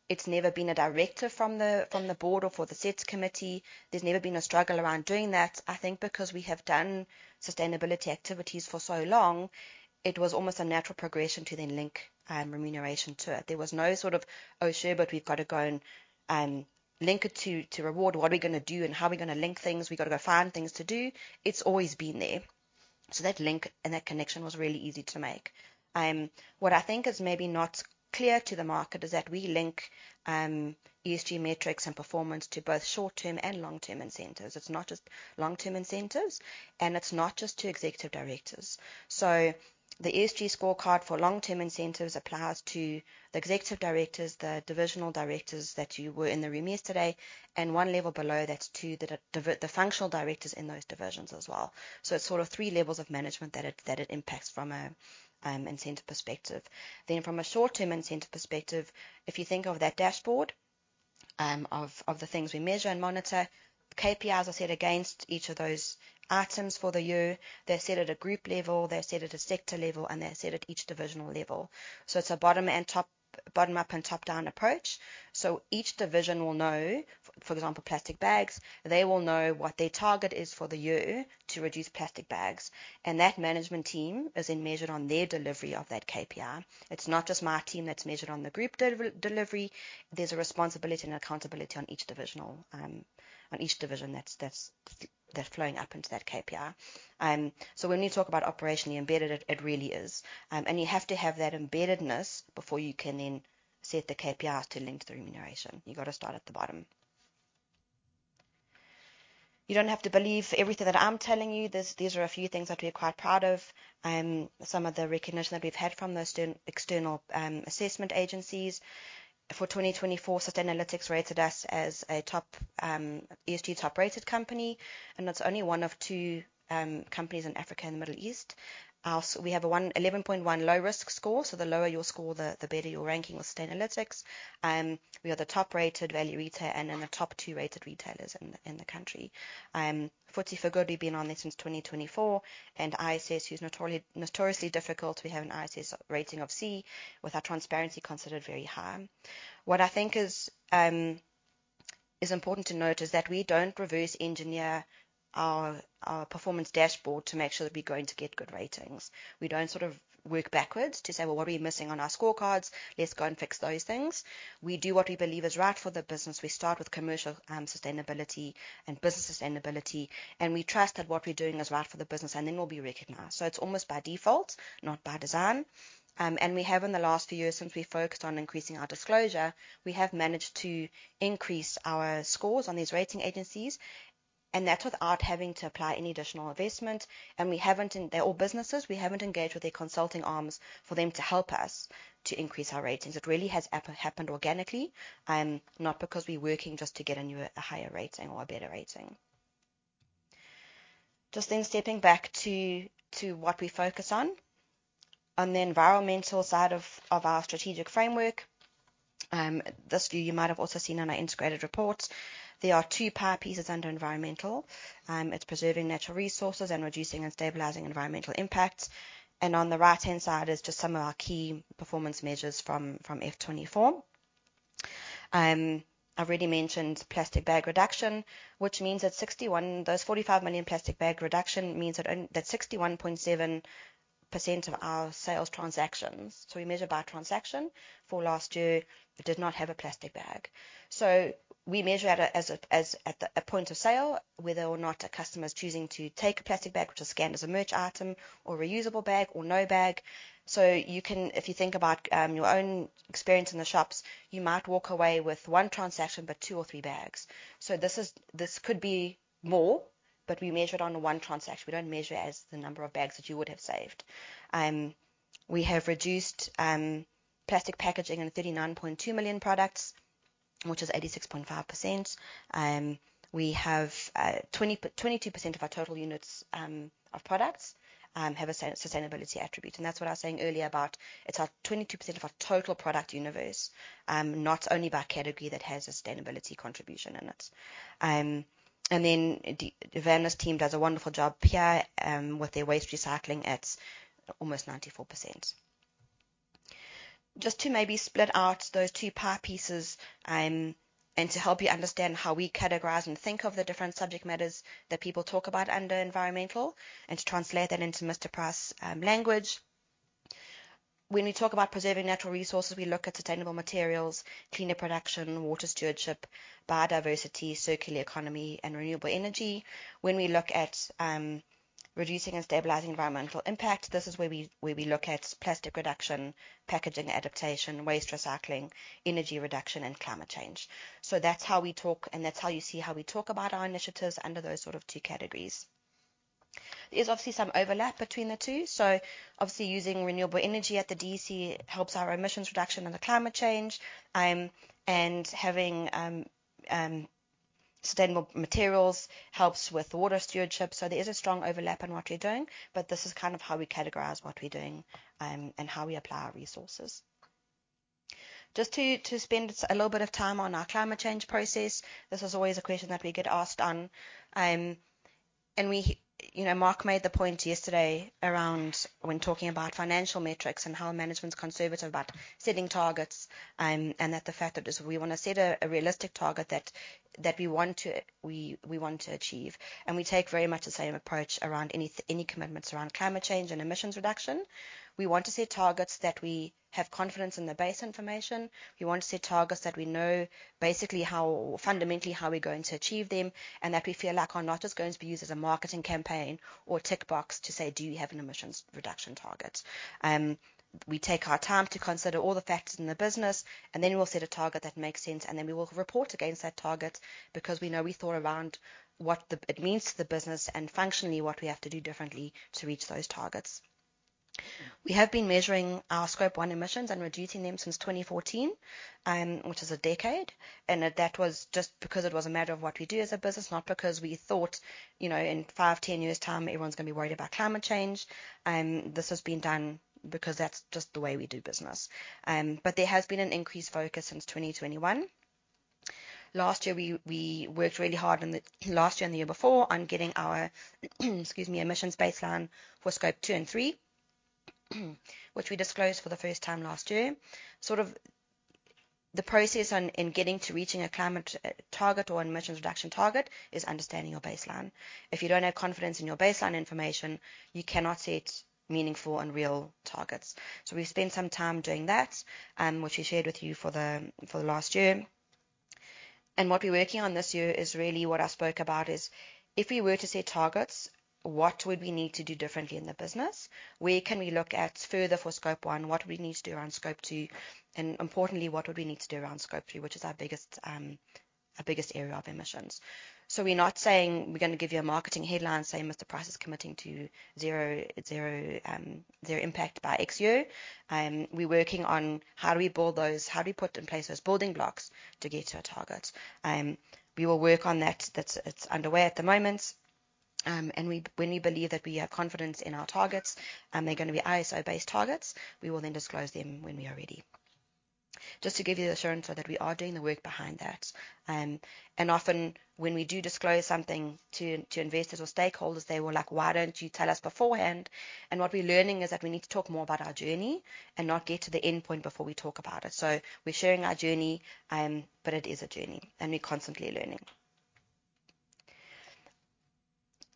Speaker 3: It's never been a directive from the board or for the Social and Ethics Committee. There's never been a struggle around doing that. I think because we have done sustainability activities for so long, it was almost a natural progression to then link remuneration to it. There was no sort of: Oh, sure, but we've got to go and link it to reward. What are we going to do and how are we going to link things? We've got to go find things to do. It's always been there. So that link and that connection was really easy to make. What I think is maybe not clear to the market is that we link ESG metrics and performance to both short-term and long-term incentives. It's not just long-term incentives, and it's not just to executive directors. So the ESG scorecard for long-term incentives applies to the executive directors, the divisional directors that you were in the room yesterday, and one level below, that's two, the functional directors in those divisions as well. So it's sort of three levels of management that it impacts from a incentive perspective. Then from a short-term incentive perspective, if you think of that dashboard of the things we measure and monitor. KPIs are set against each of those items for the year. They're set at a group level, they're set at a sector level, and they're set at each divisional level. So it's a bottom and top, bottom-up and top-down approach. So each division will know, for example, plastic bags, they will know what their target is for the year to reduce plastic bags, and that management team is then measured on their delivery of that KPI. It's not just my team that's measured on the group delivery, there's a responsibility and accountability on each divisional, on each division that's flowing up into that KPI. So when we talk about operationally embedded, it really is. And you have to have that embeddedness before you can then set the KPIs to link the remuneration. You've got to start at the bottom. You don't have to believe everything that I'm telling you. These are a few things that we're quite proud of, some of the recognition that we've had from the external assessment agencies. For 2024, Sustainalytics rated us as a top ESG top-rated company, and that's only one of two companies in Africa and the Middle East. Also, we have a 11.1 low-risk score, so the lower your score, the better your ranking with Sustainalytics. We are the top-rated value retailer and in the top two rated retailers in the country. FTSE4Good, we've been on there since 2024, and ISS, who's notoriously difficult, we have an ISS rating of C, with our transparency considered very high. What I think is important to note is that we don't reverse engineer our performance dashboard to make sure that we're going to get good ratings. We don't sort of work backwards to say: "Well, what are we missing on our scorecards? Let's go and fix those things." We do what we believe is right for the business. We start with commercial, sustainability and business sustainability, and we trust that what we're doing is right for the business, and then we'll be recognized. So it's almost by default, not by design. And we have in the last few years, since we focused on increasing our disclosure, we have managed to increase our scores on these rating agencies, and that's without having to apply any additional investment. And we haven't. And they're all businesses, we haven't engaged with their consulting arms for them to help us to increase our ratings. It really has happened organically, not because we're working just to get a new, a higher rating or a better rating. Just then stepping back to what we focus on. On the environmental side of our strategic framework, this view you might have also seen on our integrated reports. There are two pie pieces under environmental. It's preserving natural resources and reducing and stabilizing environmental impacts. On the right-hand side is just some of our key performance measures from FY2024. I've already mentioned plastic bag reduction, which means that those 45 million plastic bag reduction means that that 61.7% of our sales transactions, so we measure by transaction, for last year, it did not have a plastic bag. So we measure as at a point of sale, whether or not a customer is choosing to take a plastic bag, which is scanned as a merch item or reusable bag or no bag. So you can, if you think about your own experience in the shops, you might walk away with one transaction, but two or three bags. This could be more, but we measure it on one transaction. We don't measure as the number of bags that you would have saved. We have reduced plastic packaging on 39.2 million products, which is 86.5%. We have 22% of our total units of products have a sustainability attribute. And that's what I was saying earlier about it's our 22% of our total product universe, not only by category that has a sustainability contribution in it. And then Werner's team does a wonderful job here with their waste recycling, at almost 94%. Just to maybe split out those two pie pieces, and to help you understand how we categorize and think of the different subject matters that people talk about under environmental, and to translate that into Mr Price, language. When we talk about preserving natural resources, we look at sustainable materials, cleaner production, water stewardship, biodiversity, circular economy, and renewable energy. When we look at reducing and stabilizing environmental impact, this is where we look at plastic reduction, packaging adaptation, waste recycling, energy reduction, and climate change. So that's how we talk, and that's how you see how we talk about our initiatives under those sort of two categories. There's obviously some overlap between the two, so obviously using renewable energy at the DC helps our emissions reduction and the climate change, and having sustainable materials helps with water stewardship. There is a strong overlap in what we're doing, but this is kind of how we categorize what we're doing, and how we apply our resources. Just to spend a little bit of time on our climate change process. This is always a question that we get asked on, and we. You know, Mark made the point yesterday around when talking about financial metrics and how management's conservative about setting targets, and that the fact is, we want to set a realistic target that we want to achieve. And we take very much the same approach around any commitments around climate change and emissions reduction. We want to set targets that we have confidence in the base information. We want to set targets that we know basically how, fundamentally, how we're going to achieve them, and that we feel like are not just going to be used as a marketing campaign or tick box to say: Do you have an emissions reduction target? We take our time to consider all the factors in the business, and then we'll set a target that makes sense, and then we will report against that target, because we know we thought around what it means to the business and functionally, what we have to do differently to reach those targets. We have been measuring our one emissions and reducing them since 2014, which is a decade, and that was just because it was a matter of what we do as a business, not because we thought, you know, in five, ten years' time, everyone's going to be worried about climate change. This has been done because that's just the way we do business. But there has been an increased focus since 2021. Last year, we worked really hard last year and the year before on getting our, excuse me, emissions baseline for Scope 2 and 3 which we disclosed for the first time last year. Sort of the process on, in getting to reaching a climate target or emissions reduction target is understanding your baseline. If you don't have confidence in your baseline information, you cannot set meaningful and real targets. We spent some time doing that, which we shared with you for the last year. And what we're working on this year is really what I spoke about, is if we were to set targets, what would we need to do differently in the business? Where can we look at further for Scope 1, what we need to do around Scope 2, and importantly, what would we need to do around Scope 3, which is our biggest area of emissions. So we're not saying we're going to give you a marketing headline saying, Mr Price is committing to zero, zero, zero impact by X year. We're working on how do we build those, how do we put in place those building blocks to get to our target? We will work on that. That's. It's underway at the moment. When we believe that we have confidence in our targets, and they're going to be ISO-based targets, we will then disclose them when we are ready. Just to give you the assurance that we are doing the work behind that. And often when we do disclose something to investors or stakeholders, they were like: "Why don't you tell us beforehand?" And what we're learning is that we need to talk more about our journey and not get to the endpoint before we talk about it. So we're sharing our journey, but it is a journey, and we're constantly learning.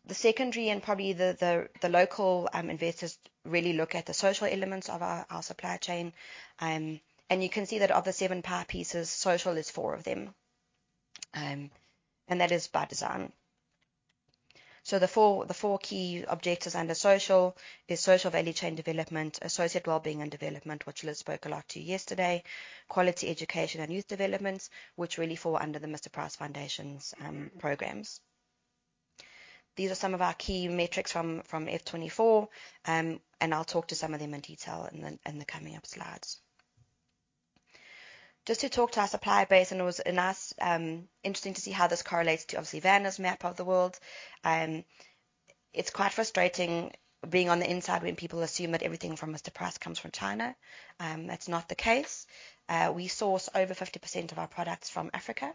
Speaker 3: The secondary and probably the local investors really look at the social elements of our supply chain. And you can see that of the seven pie pieces, social is four of them. And that is by design. So the four key objectives under social is social value chain development, associate well-being and development, which Liz spoke a lot to yesterday, quality education and youth development, which really fall under the Mr Price Foundation's programs. These are some of our key metrics from FY 2024, and I'll talk to some of them in detail in the coming up slides. Just to talk to our supplier base, and it was a nice interesting to see how this correlates to obviously Werner's map of the world. It's quite frustrating being on the inside when people assume that everything from Mr Price comes from China. That's not the case. We source over 50% of our products from Africa,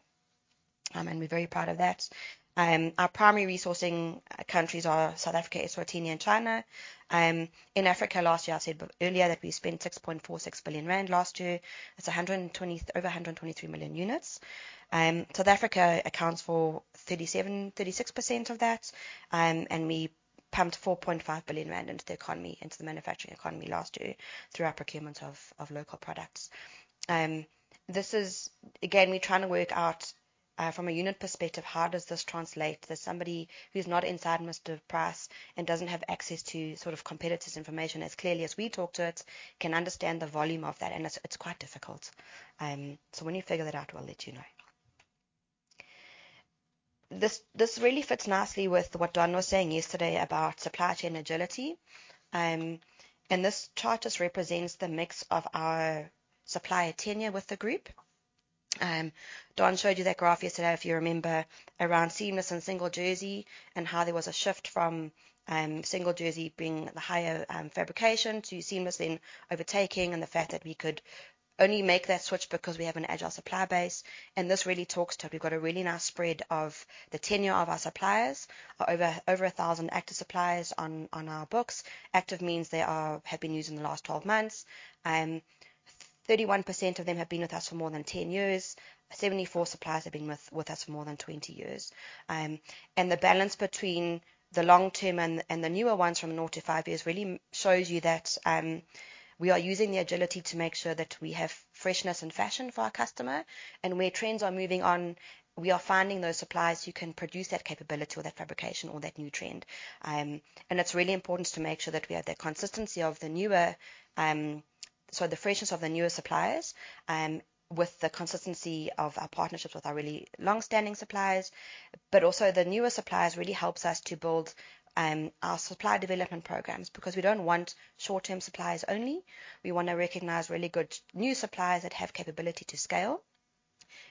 Speaker 3: and we're very proud of that. Our primary resourcing countries are South Africa, Eswatini, and China. In Africa, last year, I said earlier that we spent 6.46 billion rand last year. That's a hundred and twenty... over 123 million units. South Africa accounts for 37%-36% of that. And we pumped 4.5 billion rand into the economy, into the manufacturing economy last year through our procurement of local products. This is... Again, we're trying to work out, from a unit perspective, how does this translate that somebody who's not inside Mr Price and doesn't have access to sort of competitors' information as clearly as we talk to it, can understand the volume of that, and it's quite difficult. So when we figure that out, we'll let you know. This really fits nicely with what Don was saying yesterday about supply chain agility. And this chart just represents the mix of our supplier tenure with the group. Don showed you that graph yesterday, if you remember, around seamless and single jersey, and how there was a shift from single jersey being the higher fabrication to seamless then overtaking, and the fact that we could only make that switch because we have an agile supplier base, and this really talks to it. We've got a really nice spread of the tenure of our suppliers. Over 1,000 active suppliers on our books. Active means they have been used in the last 12 months. 31% of them have been with us for more than 10 years. 74 suppliers have been with us for more than 20 years. And the balance between the long-term and the newer ones from nought to five years really shows you that we are using the agility to make sure that we have freshness and fashion for our customer. And where trends are moving on, we are finding those suppliers who can produce that capability or that fabrication or that new trend. And it's really important to make sure that we have the consistency of the newer... Sorry, the freshness of the newer suppliers with the consistency of our partnerships with our really long-standing suppliers. But also the newer suppliers really helps us to build our supplier development programs, because we don't want short-term suppliers only. We want to recognize really good new suppliers that have capability to scale,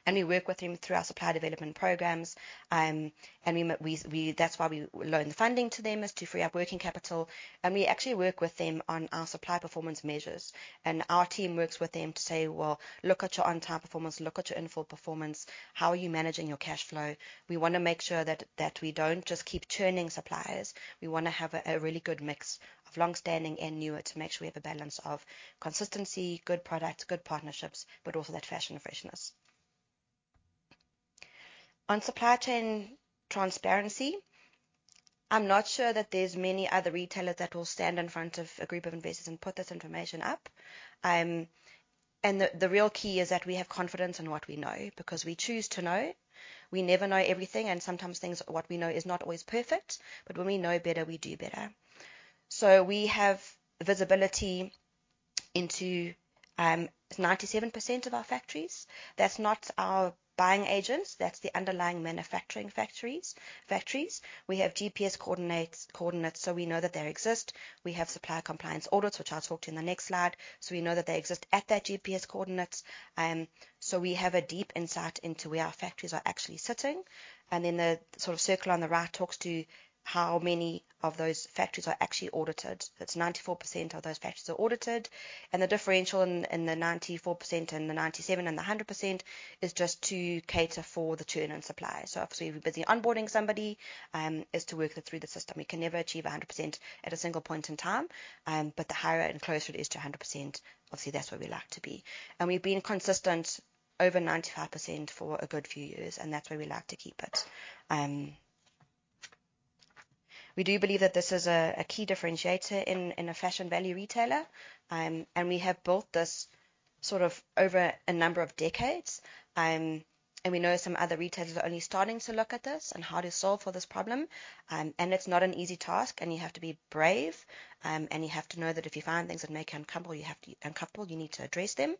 Speaker 3: and we work with them through our supplier development programs. And we... That's why we loan funding to them, is to free up working capital. And we actually work with them on our supplier performance measures. And our team works with them to say, "Well, look at your on-time performance, look at your in-full performance. How are you managing your cash flow?" We want to make sure that we don't just keep churning suppliers. We want to have a really good mix of long-standing and newer to make sure we have a balance of consistency, good products, good partnerships, but also that fashion and freshness. On supply chain transparency, I'm not sure that there's many other retailers that will stand in front of a group of investors and put this information up. And the real key is that we have confidence in what we know, because we choose to know. We never know everything, and sometimes things, what we know is not always perfect, but when we know better, we do better. So we have visibility into 97% of our factories. That's not our buying agents; that's the underlying manufacturing factories. We have GPS coordinates, so we know that they exist. We have supplier compliance audits, which I'll talk to in the next slide, so we know that they exist at that GPS coordinates. So we have a deep insight into where our factories are sitting, and then the sort of circle on the right talks to how many of those factories are actually audited. That's 94% of those factories are audited, and the differential in the 94% and the 97% and the 100% is just to cater for the churn in suppliers. Obviously, we're busy onboarding somebody is to work them through the system. We can never achieve 100% at a single point in time, but the higher and closer it is to 100%, obviously that's where we like to be. We've been consistent over 95% for a good few years, and that's where we like to keep it. We do believe that this is a key differentiator in a fashion value retailer, and we have built this sort of over a number of decades. We know some other retailers are only starting to look at this and how to solve for this problem. It's not an easy task, and you have to be brave, and you have to know that if you find things that make you uncomfortable, you have to... Uncomfortable, you need to address them.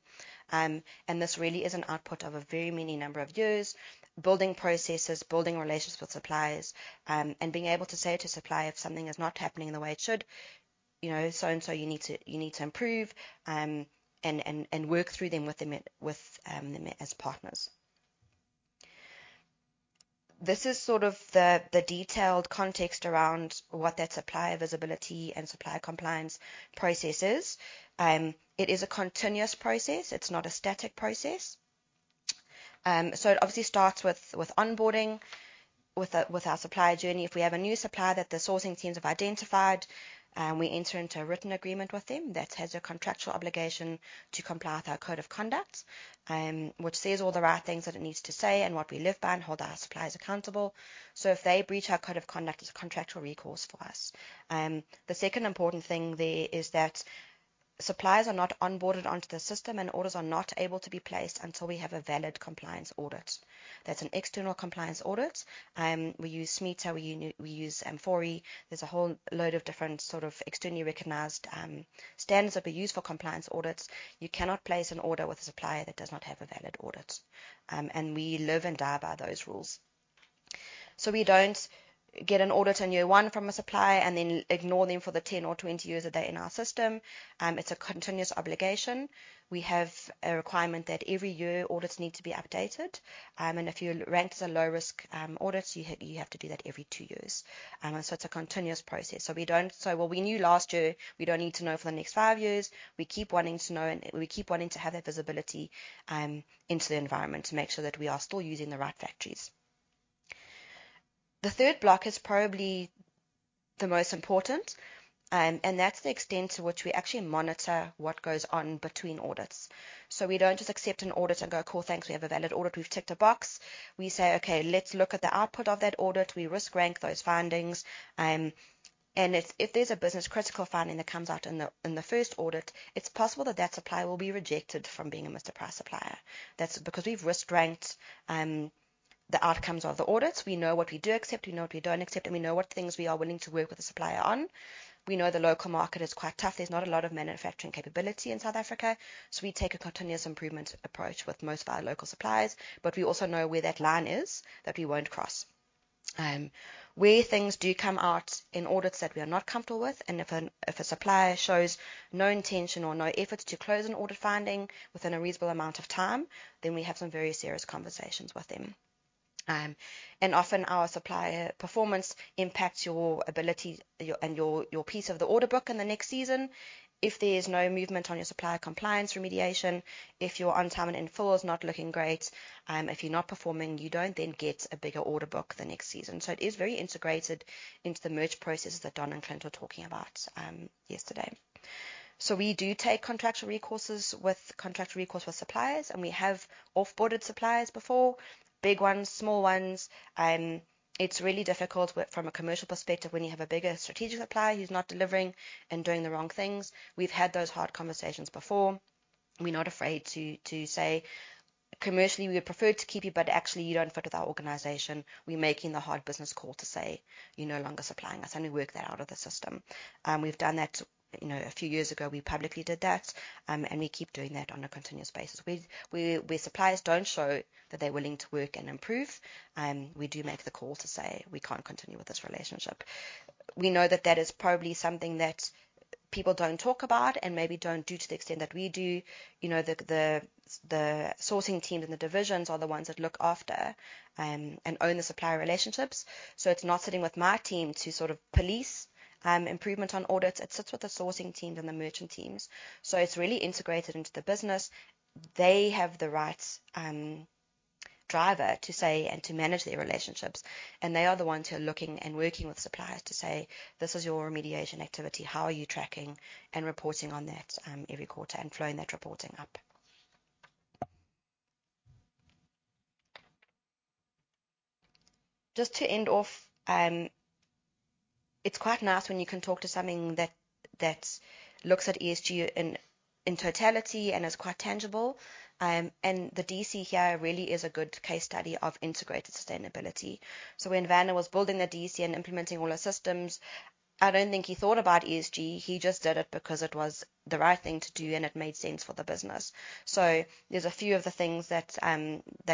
Speaker 3: And this really is an output of a very many number of years building processes, building relationships with suppliers, and being able to say to supplier, if something is not happening the way it should, "You know, so and so, you need to, you need to improve," and work through them with them, with them as partners. This is sort of the detailed context around what that supplier visibility and supplier compliance process is. It is a continuous process. It's not a static process. So it obviously starts with onboarding, with our supplier journey. If we have a new supplier that the sourcing teams have identified, we enter into a written agreement with them that has a contractual obligation to comply with our code of conduct, which says all the right things that it needs to say and what we live by and hold our suppliers accountable. So if they breach our code of conduct, there's a contractual recourse for us. The second important thing there is that suppliers are not onboarded onto the system, and orders are not able to be placed until we have a valid compliance audit. That's an external compliance audit. We use SMETA, we use AMFORI. There's a whole load of different sort of externally recognized standards that we use for compliance audits. You cannot place an order with a supplier that does not have a valid audit, and we live and die by those rules. So we don't get an audit in year one from a supplier and then ignore them for the 10 or 20 years that they're in our system. It's a continuous obligation. We have a requirement that every year audits need to be updated, and if you're ranked as a low-risk audit, you have to do that every two years. So it's a continuous process. So we don't say, "Well, we knew last year, we don't need to know for the next five years." We keep wanting to know, and we keep wanting to have that visibility into the environment to make sure that we are still using the right factories. The third block is probably the most important, and that's the extent to which we actually monitor what goes on between audits. So we don't just accept an audit and go, "Cool, thanks. We have a valid audit. We've ticked a box." We say, "Okay, let's look at the output of that audit." We risk rank those findings, and if there's a business-critical finding that comes out in the first audit, it's possible that that supplier will be rejected from being a Mr Price supplier. That's because we've risk ranked the outcomes of the audits. We know what we do accept, we know what we don't accept, and we know what things we are willing to work with the supplier on. We know the local market is quite tough. There's not a lot of manufacturing capability in South Africa, so we take a continuous improvement approach with most of our local suppliers, but we also know where that line is that we won't cross. Where things do come out in audits that we are not comfortable with, and if a supplier shows no intention or no effort to close an audit finding within a reasonable amount of time, then we have some very serious conversations with them. And often our supplier performance impacts your ability and your piece of the order book in the next season. If there's no movement on your supplier compliance remediation, if your on time and in full is not looking great, if you're not performing, you don't then get a bigger order book the next season. So it is very integrated into the merch processes that Don and Trent were talking about yesterday. So we do take contractual recourse with suppliers, and we have off-boarded suppliers before. Big ones, small ones, it's really difficult from a commercial perspective, when you have a bigger strategic supplier who's not delivering and doing the wrong things. We've had those hard conversations before. We're not afraid to say, "Commercially, we would prefer to keep you, but actually you don't fit with our organization." We're making the hard business call to say, "You're no longer supplying us," and we work that out of the system. We've done that, you know, a few years ago, we publicly did that. And we keep doing that on a continuous basis. Where suppliers don't show that they're willing to work and improve, we do make the call to say: We can't continue with this relationship. We know that that is probably something that people don't talk about and maybe don't do to the extent that we do. You know, the sourcing teams and the divisions are the ones that look after and own the supplier relationships. It's not sitting with my team to sort of police improvement on audits. It sits with the sourcing teams and the merchant teams, so it's really integrated into the business. They have the right driver to say and to manage their relationships, and they are the ones who are looking and working with suppliers to say, "This is your remediation activity. How are you tracking and reporting on that, every quarter?" Flowing that reporting up. Just to end off, it's quite nice when you can talk to something that looks at ESG in totality and is quite tangible. The DC here really is a good case study of integrated sustainability. So when Werner was building the DC and implementing all our systems, I don't think he thought about ESG. He just did it because it was the right thing to do, and it made sense for the business. So there's a few of the things that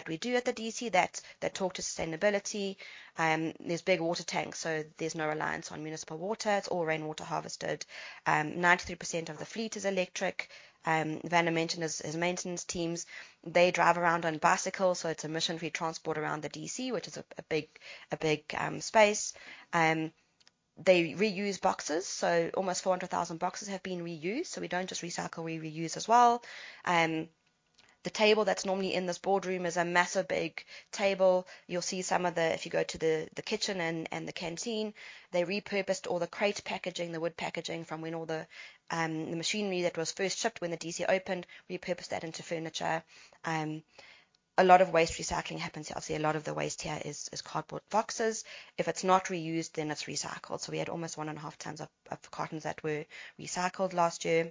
Speaker 3: we do at the DC that talk to sustainability. There's big water tanks, so there's no reliance on municipal water. It's all rainwater harvested. 93% of the fleet is electric. Werner mentioned his maintenance teams. They drive around on bicycles, so it's emission-free transport around the DC, which is a big space. They reuse boxes, so almost 400,000 boxes have been reused. So we don't just recycle, we reuse as well. The table that's normally in this boardroom is a massive, big table. You'll see some of the... If you go to the kitchen and the canteen, they repurposed all the crate packaging, the wood packaging from when all the machinery that was first shipped when the DC opened, repurposed that into furniture. A lot of waste recycling happens here. Obviously, a lot of the waste here is cardboard boxes. If it's not reused, then it's recycled. So we had almost 1.5 tons of cartons that were recycled last year.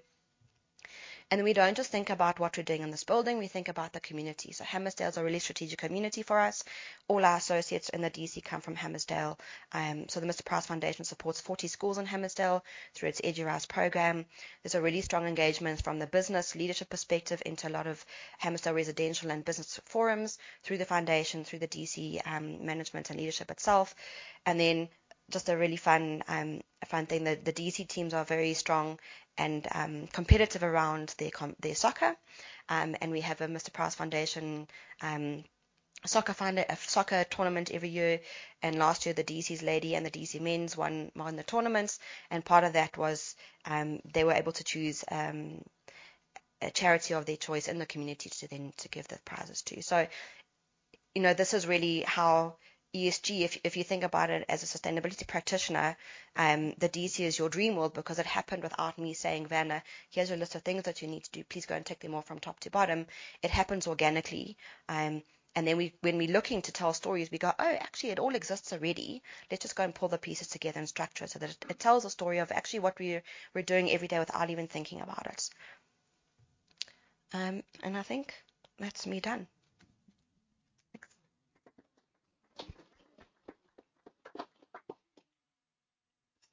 Speaker 3: We don't just think about what we're doing in this building, we think about the community. Hammarsdale is a really strategic community for us. All our associates in the DC come from Hammarsdale. The Mr Price Foundation supports 40 schools in Hammarsdale through its EduRise program. There's a really strong engagement from the business leadership perspective into a lot of Hammarsdale residential and business forums, through the foundation, through the DC, management and leadership itself. Just a really fun, a fun thing, the DC teams are very strong and, competitive around their soccer. We have a Mr Price Foundation soccer finder... Soccer tournament every year, and last year, the DC's ladies and the DC men's won the tournaments, and part of that was, they were able to choose, a charity of their choice in the community to then give the prizes to. So, you know, this is really how ESG, if you think about it as a sustainability practitioner, the DC is your dream world because it happened without me saying, "Werner, here's a list of things that you need to do. Please go and tick them off from top to bottom." It happens organically. And then when we looking to tell stories, we go, "Oh, actually, it all exists already. Let's just go and pull the pieces together and structure it so that it tells a story of actually what we're doing every day without even thinking about it, and I think that's me done.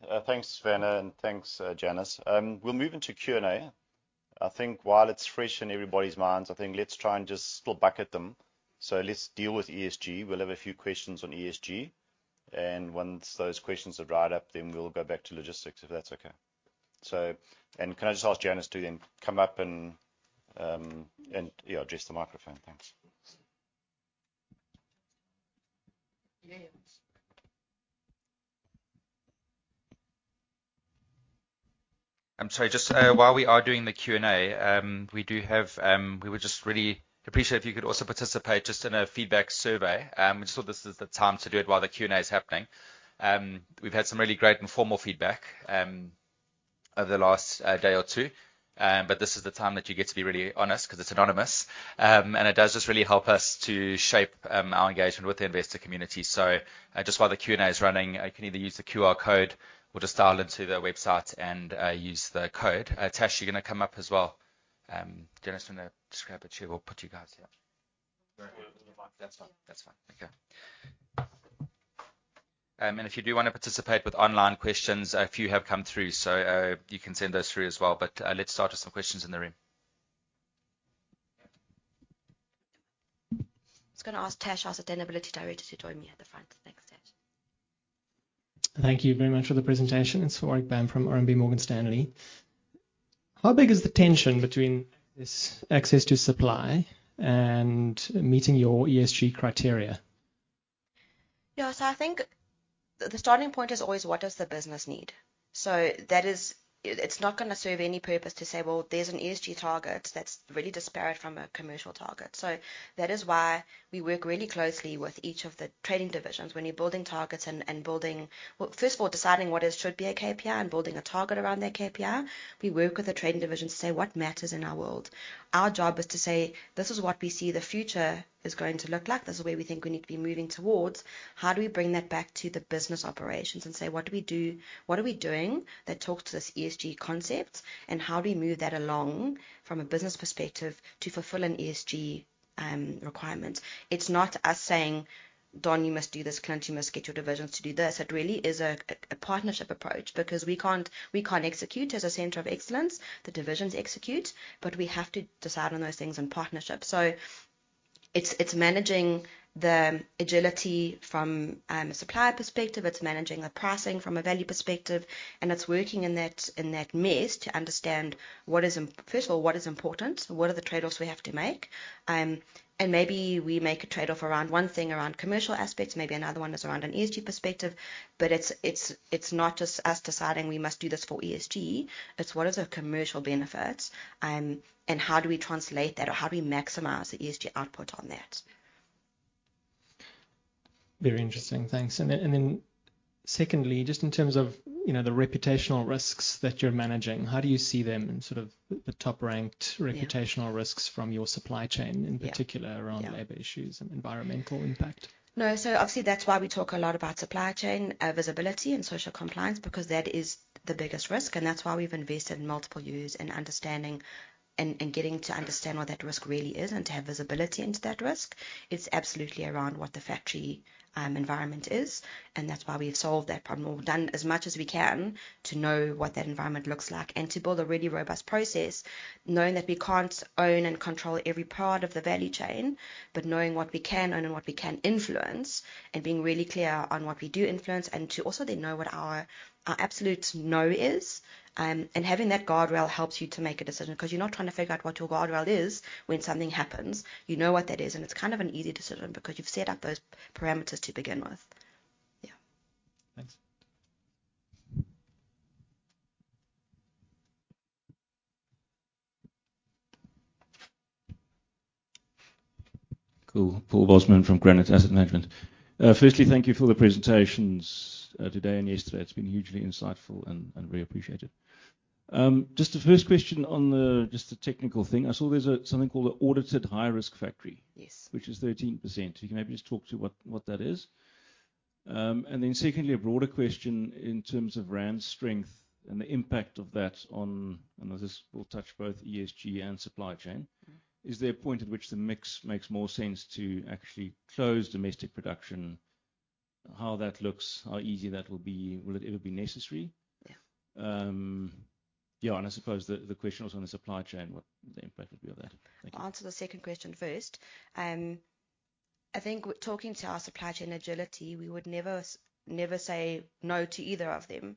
Speaker 3: Thanks.
Speaker 1: Thanks, Werner, and thanks, Janis. We'll move into Q&A. I think while it's fresh in everybody's minds, I think let's try and just still bucket them. So let's deal with ESG. We'll have a few questions on ESG, and once those questions are dried up, then we'll go back to logistics, if that's okay, and can I just ask Janis to then come up and address the microphone? Thanks.
Speaker 3: Yeah.
Speaker 4: I'm sorry. Just while we are doing the Q&A, we do have. We would just really appreciate if you could also participate just in a feedback survey. We just thought this is the time to do it while the Q&A is happening. We've had some really great informal feedback over the last day or two, but this is the time that you get to be really honest 'cause it's anonymous, and it does just really help us to shape our engagement with the investor community, so just while the Q&A is running, you can either use the QR code or just dial into the website and use the code. Tash, you're gonna come up as well. Janice, you want to just grab a chair? We'll put you guys here.
Speaker 1: That's fine. That's fine.
Speaker 4: Okay, and if you do want to participate with online questions, a few have come through, so, you can send those through as well, but let's start with some questions in the room.
Speaker 3: Just gonna ask Tash, our Sustainability Director, to join me at the front. Thanks, Tash.
Speaker 5: Thank you very much for the presentation. It's Warwick Bam from RMB Morgan Stanley. How big is the tension between this access to supply and meeting your ESG criteria?
Speaker 3: Yeah, so I think the starting point is always: what does the business need? So that is... It's not gonna serve any purpose to say, "Well, there's an ESG target that's really disparate from a commercial target." So that is why we work really closely with each of the trading divisions. When you're building targets and building... Well, first of all, deciding what it should be a KPI and building a target around that KPI, we work with the trading division to say what matters in our world. Our job is to say, "This is what we see the future is going to look like. This is where we think we need to be moving towards. How do we bring that back to the business operations and say: What do we do, what are we doing that talks to this ESG concept, and how do we move that along from a business perspective to fulfill an ESG requirement?" It's not us saying, "Don, you must do this. Clint, you must get your divisions to do this." It really is a partnership approach because we can't execute as a center of excellence. The divisions execute, but we have to decide on those things in partnership. So it's managing the agility from a supplier perspective, it's managing the pricing from a value perspective, and it's working in that mess to understand. First of all, what is important, what are the trade-offs we have to make? and maybe we make a trade-off around one thing, around commercial aspects, maybe another one is around an ESG perspective, but it's not just us deciding we must do this for ESG. It's what is the commercial benefits, and how do we translate that, or how do we maximize the ESG output on that?
Speaker 5: Very interesting, thanks. And then secondly, just in terms of, you know, the reputational risks that you're managing, how do you see them in sort of the top-ranked-
Speaker 3: Yeah...
Speaker 5: reputational risks from your supply chain-
Speaker 3: Yeah
Speaker 5: in particular around labor issues and environmental impact?
Speaker 3: No, so obviously, that's why we talk a lot about supply chain visibility and social compliance, because that is the biggest risk, and that's why we've invested multiple years in understanding and getting to understand what that risk really is and to have visibility into that risk. It's absolutely around what the factory environment is, and that's why we've solved that problem or done as much as we can to know what that environment looks like and to build a really robust process, knowing that we can't own and control every part of the value chain, but knowing what we can own and what we can influence, and being really clear on what we do influence, and to also then know what our absolute no is. And having that guardrail helps you to make a decision, 'cause you're not trying to figure out what your guardrail is when something happens. You know what that is, and it's kind of an easy decision because you've set up those parameters to begin with....
Speaker 6: Cool. Paul Bosman from Granate Asset Management. Firstly, thank you for the presentations today and yesterday. It's been hugely insightful and we appreciate it. Just the first question on just the technical thing. I saw there's something called an audited high-risk factory-
Speaker 3: Yes.
Speaker 6: -which is 13%. Can you maybe just talk to what that is? And then secondly, a broader question in terms of brand strength and the impact of that on... I know this will touch both ESG and supply chain.
Speaker 3: Mm-hmm.
Speaker 6: Is there a point at which the mix makes more sense to actually close domestic production? How that looks, how easy that will be? Will it ever be necessary?
Speaker 3: Yeah.
Speaker 6: Yeah, and I suppose the question was on the supply chain, what the impact would be of that. Thank you.
Speaker 7: I'll answer the second question first. I think talking to our supply chain agility, we would never, never say no to either of them,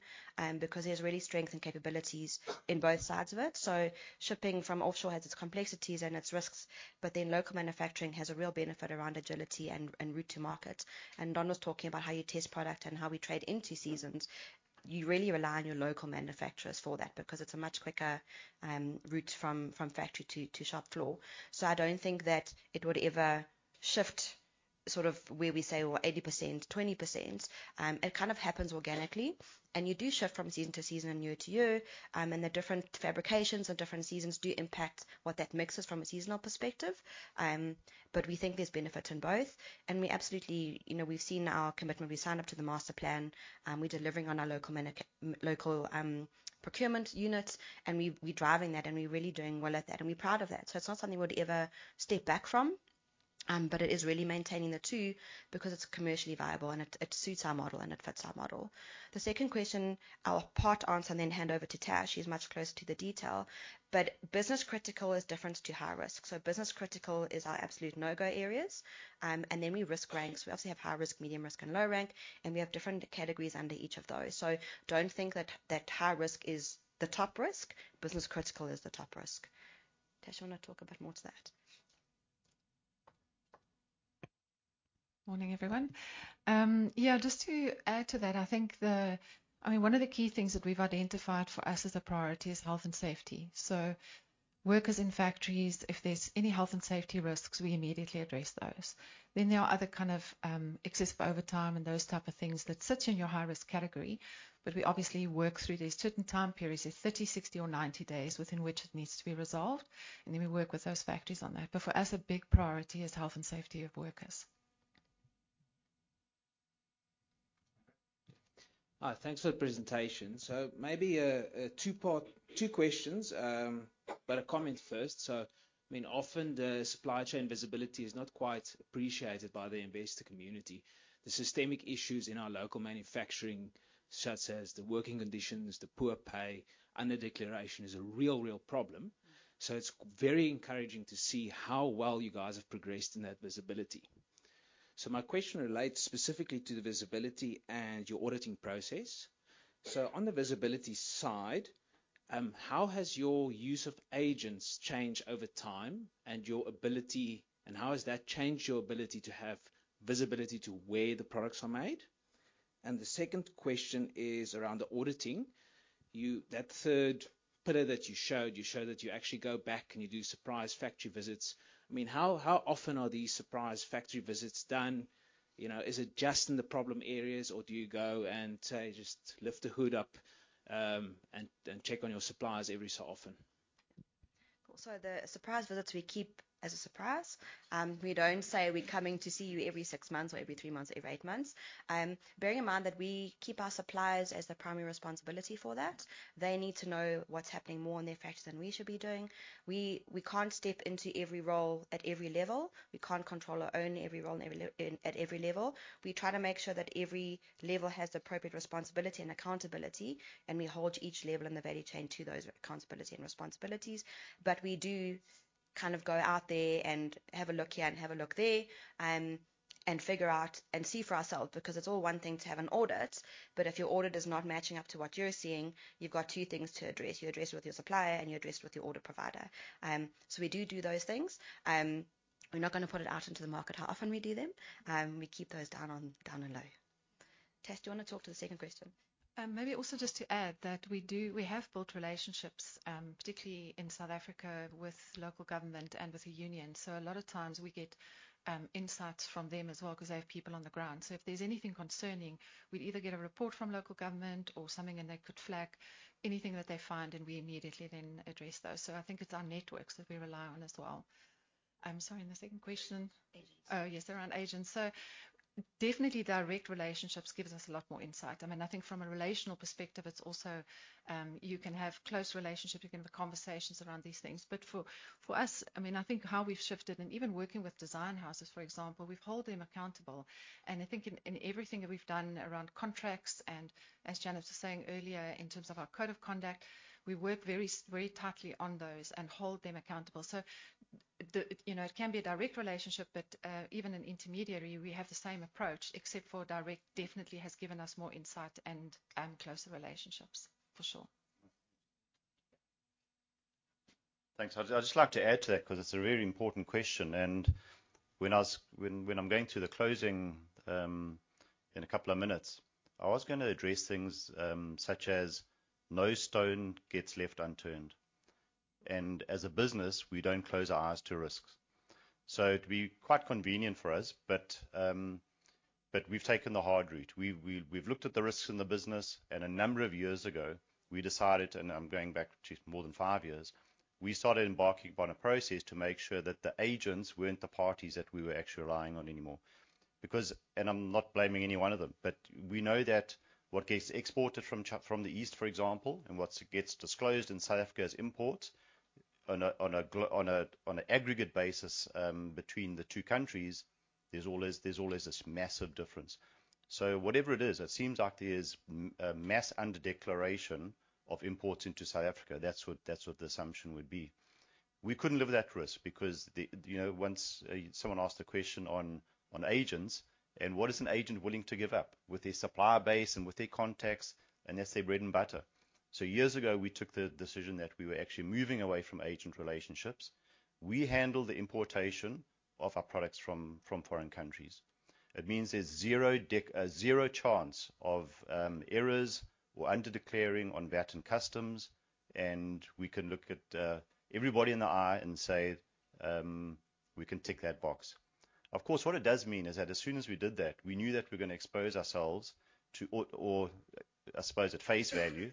Speaker 7: because there's really strength and capabilities in both sides of it. So shipping from offshore has its complexities and its risks, but then local manufacturing has a real benefit around agility and route to market. And Don was talking about how you test product and how we trade into seasons. You really rely on your local manufacturers for that because it's a much quicker route from factory to shop floor. So I don't think that it would ever shift sort of where we say, well, 80%, 20%. It kind of happens organically, and you do shift from season to season and year to year. The different fabrications or different seasons do impact what that mix is from a seasonal perspective. But we think there's benefit in both, and we absolutely. You know, we've seen our commitment. We signed up to the master plan, and we're delivering on our local manufacturing local procurement units, and we're driving that, and we're really doing well at that, and we're proud of that. So it's not something we'd ever step back from, but it is really maintaining the two because it's commercially viable, and it suits our model and it fits our model. The second question, I'll part answer and then hand over to Tash. She's much closer to the detail. But business critical is different to high risk. So business critical is our absolute no-go areas, and then we risk rank. So we obviously have high risk, medium risk, and low risk, and we have different categories under each of those. So don't think that that high risk is the top risk. Business critical is the top risk. Tash, you want to talk a bit more to that? Morning, everyone. Yeah, just to add to that, I think the... I mean, one of the key things that we've identified for us as a priority is health and safety. So workers in factories, if there's any health and safety risks, we immediately address those. Then there are other kind of, excess for overtime and those type of things that sits in your high-risk category, but we obviously work through these. Certain time periods, there's 30, 60, or 90 days within which it needs to be resolved, and then we work with those factories on that. But for us, a big priority is health and safety of workers.
Speaker 6: Thanks for the presentation. So maybe a two-part, two questions, but a comment first. So I mean, often the supply chain visibility is not quite appreciated by the investor community. The systemic issues in our local manufacturing, such as the working conditions, the poor pay, underdeclaration, is a real problem. So it's very encouraging to see how well you guys have progressed in that visibility. So my question relates specifically to the visibility and your auditing process. So on the visibility side, how has your use of agents changed over time and your ability. And how has that changed your ability to have visibility to where the products are made? And the second question is around the auditing. You. That third pillar that you showed, you actually go back, and you do surprise factory visits. I mean, how often are these surprise factory visits done? You know, is it just in the problem areas, or do you go and say, just lift the hood up, and check on your suppliers every so often?
Speaker 8: So the surprise visits we keep as a surprise. We don't say we're coming to see you every six months, or every three months, every eight months. Bearing in mind that we keep our suppliers as the primary responsibility for that, they need to know what's happening more in their factory than we should be doing. We can't step into every role at every level. We can't control or own every role in every level. We try to make sure that every level has the appropriate responsibility and accountability, and we hold each level in the value chain to those accountability and responsibilities. But we do kind of go out there and have a look here and have a look there, and figure out and see for ourselves, because it's all one thing to have an audit, but if your audit is not matching up to what you're seeing, you've got two things to address. You address with your supplier, and you address with your audit provider. So we do those things. We're not gonna put it out into the market how often we do them. We keep those down and low. Tash, do you want to talk to the second question? Maybe also just to add that we have built relationships, particularly in South Africa, with local government and with the union. So a lot of times we get insights from them as well, 'cause they have people on the ground. So if there's anything concerning, we'd either get a report from local government or something, and they could flag anything that they find, and we immediately then address those. So I think it's our networks that we rely on as well. I'm sorry, and the second question? Agents. Oh, yes, around agents, so definitely direct relationships gives us a lot more insight. I mean, I think from a relational perspective, it's also you can have close relationships, you can have conversations around these things, but for us, I mean, I think how we've shifted and even working with design houses, for example, we've held them accountable, and I think in everything that we've done around contracts, and as Janice was saying earlier, in terms of our code of conduct, we work very tightly on those and hold them accountable. You know, it can be a direct relationship, but even an intermediary, we have the same approach, except for direct definitely has given us more insight and closer relationships. For sure.
Speaker 1: Thanks. I'd just like to add to that 'cause it's a really important question, and-... When I'm going through the closing, in a couple of minutes, I was gonna address things, such as no stone gets left unturned, and as a business, we don't close our eyes to risks. So it'd be quite convenient for us, but we've taken the hard route. We've looked at the risks in the business, and a number of years ago, we decided, and I'm going back to more than five years, we started embarking upon a process to make sure that the agents weren't the parties that we were actually relying on anymore. Because... I'm not blaming any one of them, but we know that what gets exported from the East, for example, and what gets disclosed in South Africa's imports on an aggregate basis between the two countries. There's always this massive difference. So whatever it is, it seems like there's a mass underdeclaration of imports into South Africa. That's what the assumption would be. We couldn't live with that risk because... You know, once someone asked a question on agents, and what is an agent willing to give up? With their supplier base and with their contacts, and that's their bread and butter. So years ago, we took the decision that we were actually moving away from agent relationships. We handle the importation of our products from foreign countries. It means there's zero chance of errors or underdeclaring on VAT and customs, and we can look at everybody in the eye and say we can tick that box. Of course, what it does mean is that as soon as we did that, we knew that we were gonna expose ourselves to or I suppose at face value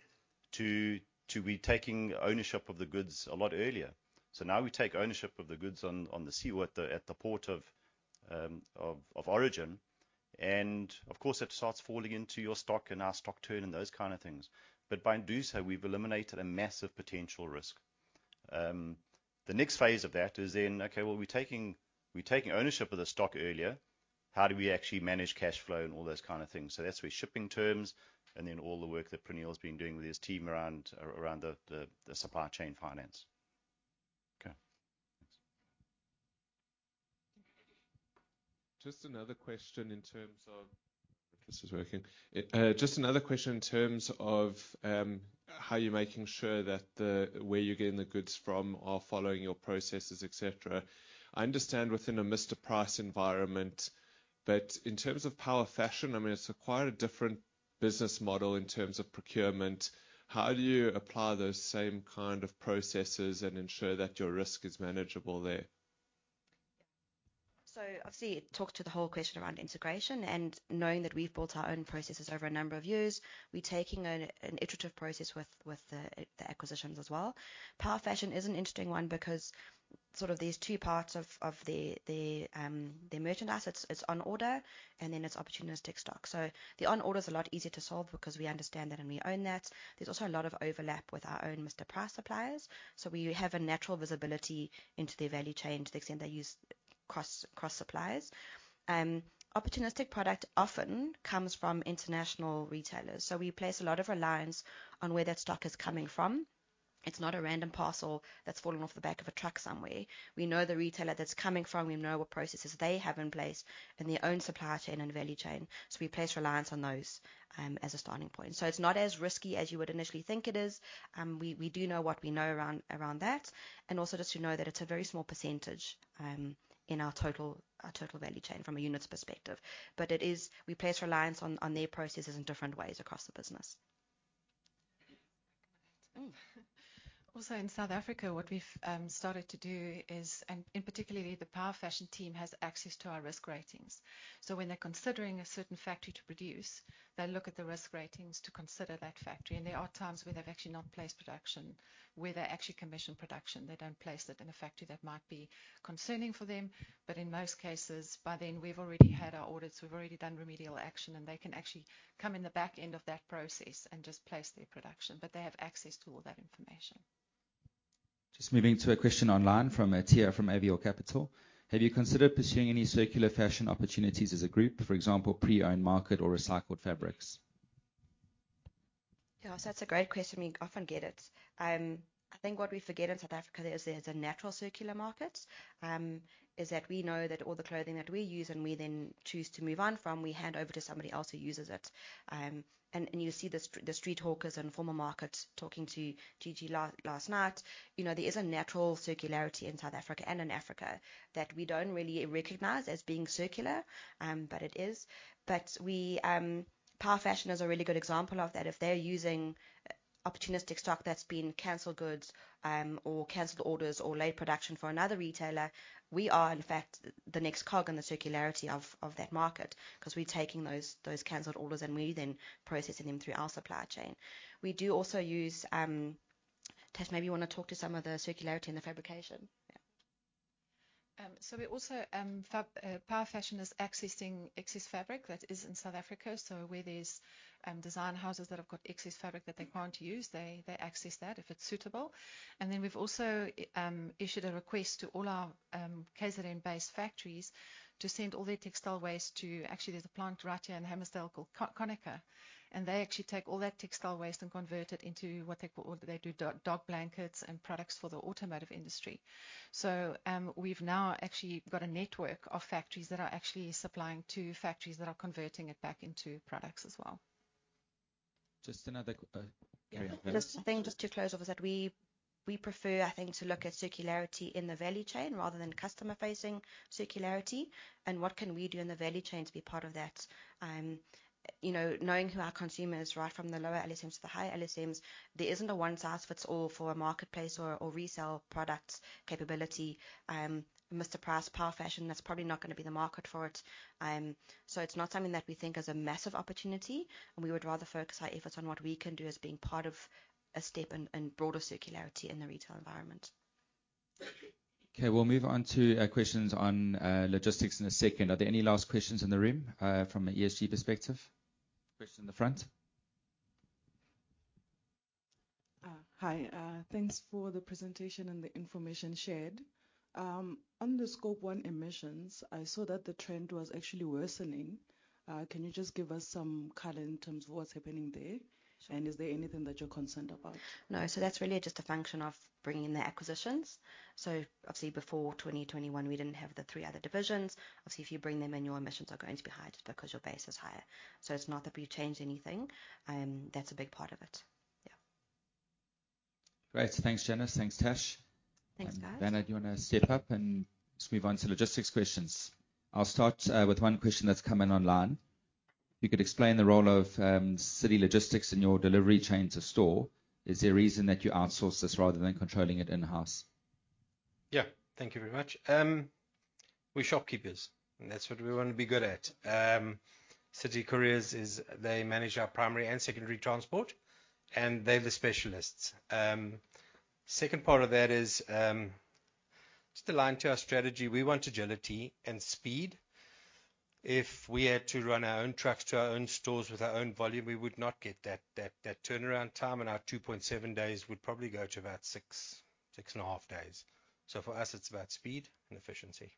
Speaker 1: to be taking ownership of the goods a lot earlier. So now we take ownership of the goods on the sea, at the port of origin, and of course, it starts falling into your stock and our stock turn and those kind of things. But by doing so, we've eliminated a massive potential risk. The next phase of that is then, okay, well, we're taking ownership of the stock earlier, how do we actually manage cash flow and all those kind of things? So that's with shipping terms, and then all the work that Praneel's been doing with his team around the supply chain finance.
Speaker 6: Okay, thanks. Just another question in terms of... If this is working. Just another question in terms of how you're making sure that the where you're getting the goods from are following your processes, et cetera. I understand within a Mr Price environment, but in terms of Power Fashion, I mean, it's quite a different business model in terms of procurement. How do you apply those same kind of processes and ensure that your risk is manageable there?
Speaker 3: So obviously, it talks to the whole question around integration and knowing that we've built our own processes over a number of years, we're taking an iterative process with the acquisitions as well. Power Fashion is an interesting one because sort of there's two parts of the merchandise. It's on order, and then it's opportunistic stock. So the on order is a lot easier to solve because we understand that and we own that. There's also a lot of overlap with our own Mr Price suppliers, so we have a natural visibility into their value chain to the extent they use cross suppliers. Opportunistic product often comes from international retailers, so we place a lot of reliance on where that stock is coming from. It's not a random parcel that's fallen off the back of a truck somewhere. We know the retailer that it's coming from, we know what processes they have in place in their own supply chain and value chain, so we place reliance on those, as a starting point. So it's not as risky as you would initially think it is. We do know what we know around that, and also just to know that it's a very small percentage, in our total value chain from a units perspective. But it is... We place reliance on their processes in different ways across the business. Also, in South Africa, what we've started to do is, and particularly the Power Fashion team, has access to our risk ratings. So when they're considering a certain factory to produce, they look at the risk ratings to consider that factory. And there are times where they've actually not placed production, where they actually commission production. They don't place it in a factory that might be concerning for them, but in most cases, by then, we've already had our audits, we've already done remedial action, and they can actually come in the back end of that process and just place their production, but they have access to all that information.
Speaker 1: Just moving to a question online from Atiyah, from Avior Capital: Have you considered pursuing any circular fashion opportunities as a group, for example, pre-owned market or recycled fabrics?
Speaker 8: Yeah, so that's a great question. We often get it. I think what we forget in South Africa is there's a natural circular market, is that we know that all the clothing that we use and we then choose to move on from, we hand over to somebody else who uses it. And you see the street hawkers and informal markets talking to the guy last night. You know, there is a natural circularity in South Africa and in Africa that we don't really recognize as being circular, but it is. But we... Power Fashion is a really good example of that. If they're using opportunistic stock that's been canceled goods, or canceled orders, or late production for another retailer, we are in fact, the next cog in the circularity of that market, 'cause we're taking those canceled orders and we're then processing them through our supply chain. We do also use, Tash, maybe you wanna talk to some of the circularity in the fabrication? Yeah. So we also, Power Fashion is accessing excess fabric that is in South Africa. So where there's design houses that have got excess fabric that they can't use, they access that if it's suitable. And then we've also issued a request to all our KZN-based factories to send all their textile waste to... Actually, there's a plant right here in Hammarsdale called Connacher, and they actually take all that textile waste and convert it into what they call... They do dog blankets and products for the automotive industry. So, we've now actually got a network of factories that are actually supplying to factories that are converting it back into products as well....
Speaker 4: Just another yeah.
Speaker 3: Just to close off is that we prefer, I think, to look at circularity in the value chain rather than customer-facing circularity, and what can we do in the value chain to be part of that. You know, knowing who our consumer is, right from the lower LSMs to the higher LSMs, there isn't a one-size-fits-all for a marketplace or resell product capability. Mr Price, Power Fashion, that's probably not gonna be the market for it. So it's not something that we think is a massive opportunity, and we would rather focus our efforts on what we can do as being part of a step in broader circularity in the retail environment.
Speaker 4: Okay, we'll move on to questions on logistics in a second. Are there any last questions in the room from an ESG perspective? Question in the front.
Speaker 9: Hi. Thanks for the presentation and the information shared. On the Scope 1 emissions, I saw that the trend was actually worsening. Can you just give us some color in terms of what's happening there, and is there anything that you're concerned about?
Speaker 3: No. So that's really just a function of bringing the acquisitions. So obviously, before twenty twenty-one, we didn't have the three other divisions. Obviously, if you bring them in, your emissions are going to be higher because your base is higher. So it's not that we changed anything, that's a big part of it. Yeah.
Speaker 4: Great. Thanks, Janice. Thanks, Tash.
Speaker 3: Thanks, guys.
Speaker 10: And Werner, do you wanna step up and just move on to logistics questions? I'll start with one question that's come in online. If you could explain the role of City Logistics in your delivery chain to store, is there a reason that you outsource this rather than controlling it in-house?
Speaker 2: Yeah. Thank you very much. We're shopkeepers, and that's what we wanna be good at. City Couriers is. They manage our primary and secondary transport, and they're the specialists. Second part of that is, just aligned to our strategy, we want agility and speed. If we had to run our own trucks to our own stores with our own volume, we would not get that turnaround time, and our 2.7 days would probably go to about six and a half days. So for us, it's about speed and efficiency.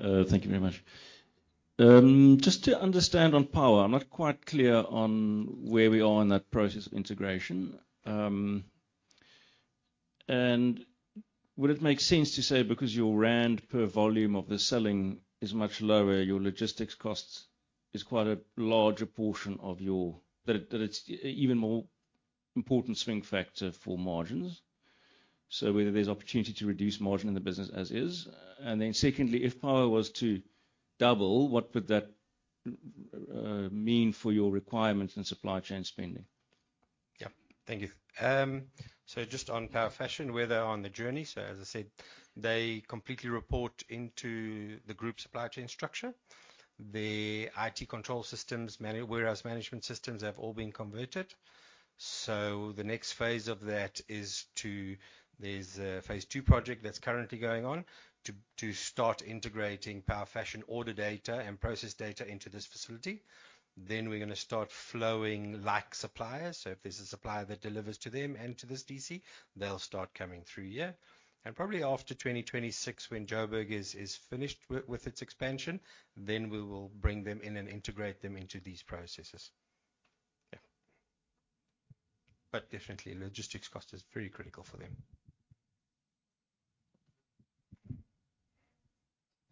Speaker 10: Thank you very much. Just to understand on Power, I'm not quite clear on where we are in that process of integration. And would it make sense to say because your rand per volume of the selling is much lower, your logistics cost is quite a larger portion of your... That it's even more important swing factor for margins, so whether there's opportunity to reduce margin in the business as is? And then secondly, if Power was to double, what would that mean for your requirements and supply chain spending?
Speaker 2: Yeah. Thank you. So just on Power Fashion, where they are on the journey, so as I said, they completely report into the group supply chain structure. The IT control systems, warehouse management systems, have all been converted. So the next phase of that is to. There's a phase two project that's currently going on to start integrating Power Fashion order data and process data into this facility. Then we're gonna start flowing like suppliers. So if there's a supplier that delivers to them and to this DC, they'll start coming through here. And probably after 2026, when Joburg is finished with its expansion, then we will bring them in and integrate them into these processes. Yeah. But definitely, logistics cost is very critical for them.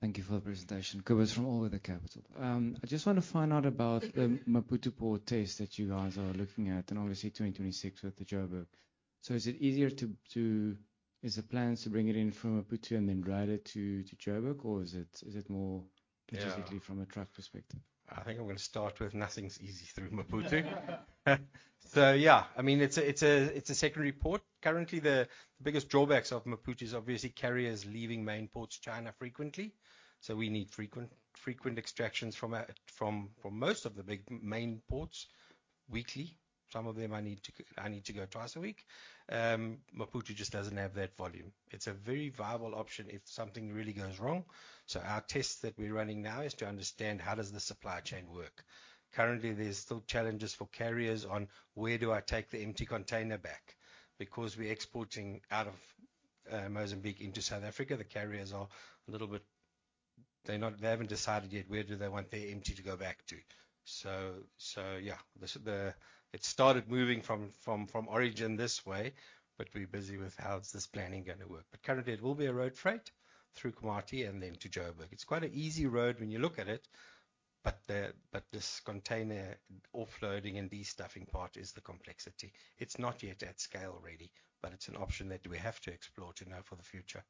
Speaker 11: Thank you for the presentation. Kobus from All Weather Capital. I just want to find out about the Maputo port test that you guys are looking at, and obviously 2026 with the Joburg. So is it easier to... Is the plans to bring it in from Maputo and then route it to Joburg, or is it more-
Speaker 2: Yeah...
Speaker 11: specifically from a truck perspective?
Speaker 2: I think I'm gonna start with nothing's easy through Maputo. So yeah, I mean, it's a secondary port. Currently, the biggest drawbacks of Maputo is obviously carriers leaving main ports in China frequently. So we need frequent extractions from most of the big main ports weekly. Some of them I need to go twice a week. Maputo just doesn't have that volume. It's a very viable option if something really goes wrong. So our test that we're running now is to understand how does the supply chain work? Currently, there's still challenges for carriers on where do I take the empty container back? Because we're exporting out of Mozambique into South Africa, the carriers are a little bit. They haven't decided yet where do they want their empty to go back to. So yeah, it started moving from origin this way, but we're busy with how is this planning gonna work. But currently, it will be a road freight through Komati and then to Joburg. It's quite an easy road when you look at it, but this container offloading and destuffing part is the complexity. It's not yet at scale ready, but it's an option that we have to explore to know for the future.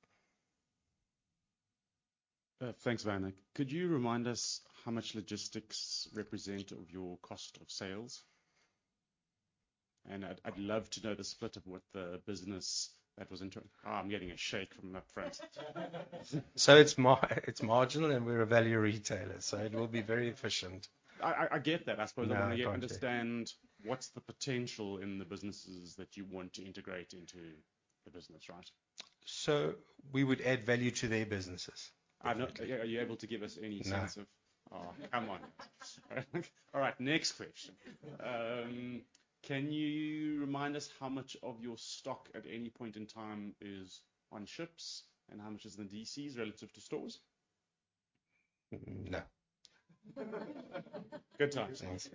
Speaker 11: Thanks, Werner. Could you remind us how much logistics represent of your cost of sales? And I'd love to know the split of what the business that was... Oh, I'm getting a shake from up front.
Speaker 2: It's marginal, and we're a value retailer, so it will be very efficient.
Speaker 11: I get that.
Speaker 2: No, go on.
Speaker 11: I suppose I want to understand what's the potential in the businesses that you want to integrate into the business, right?
Speaker 2: So we would add value to their businesses.
Speaker 11: I know. Are you able to give us any sense of-
Speaker 2: No.
Speaker 11: Oh, come on. All right, next question. Can you remind us how much of your stock at any point in time is on ships, and how much is in the DCs relative to stores?
Speaker 2: No.
Speaker 12: Good times....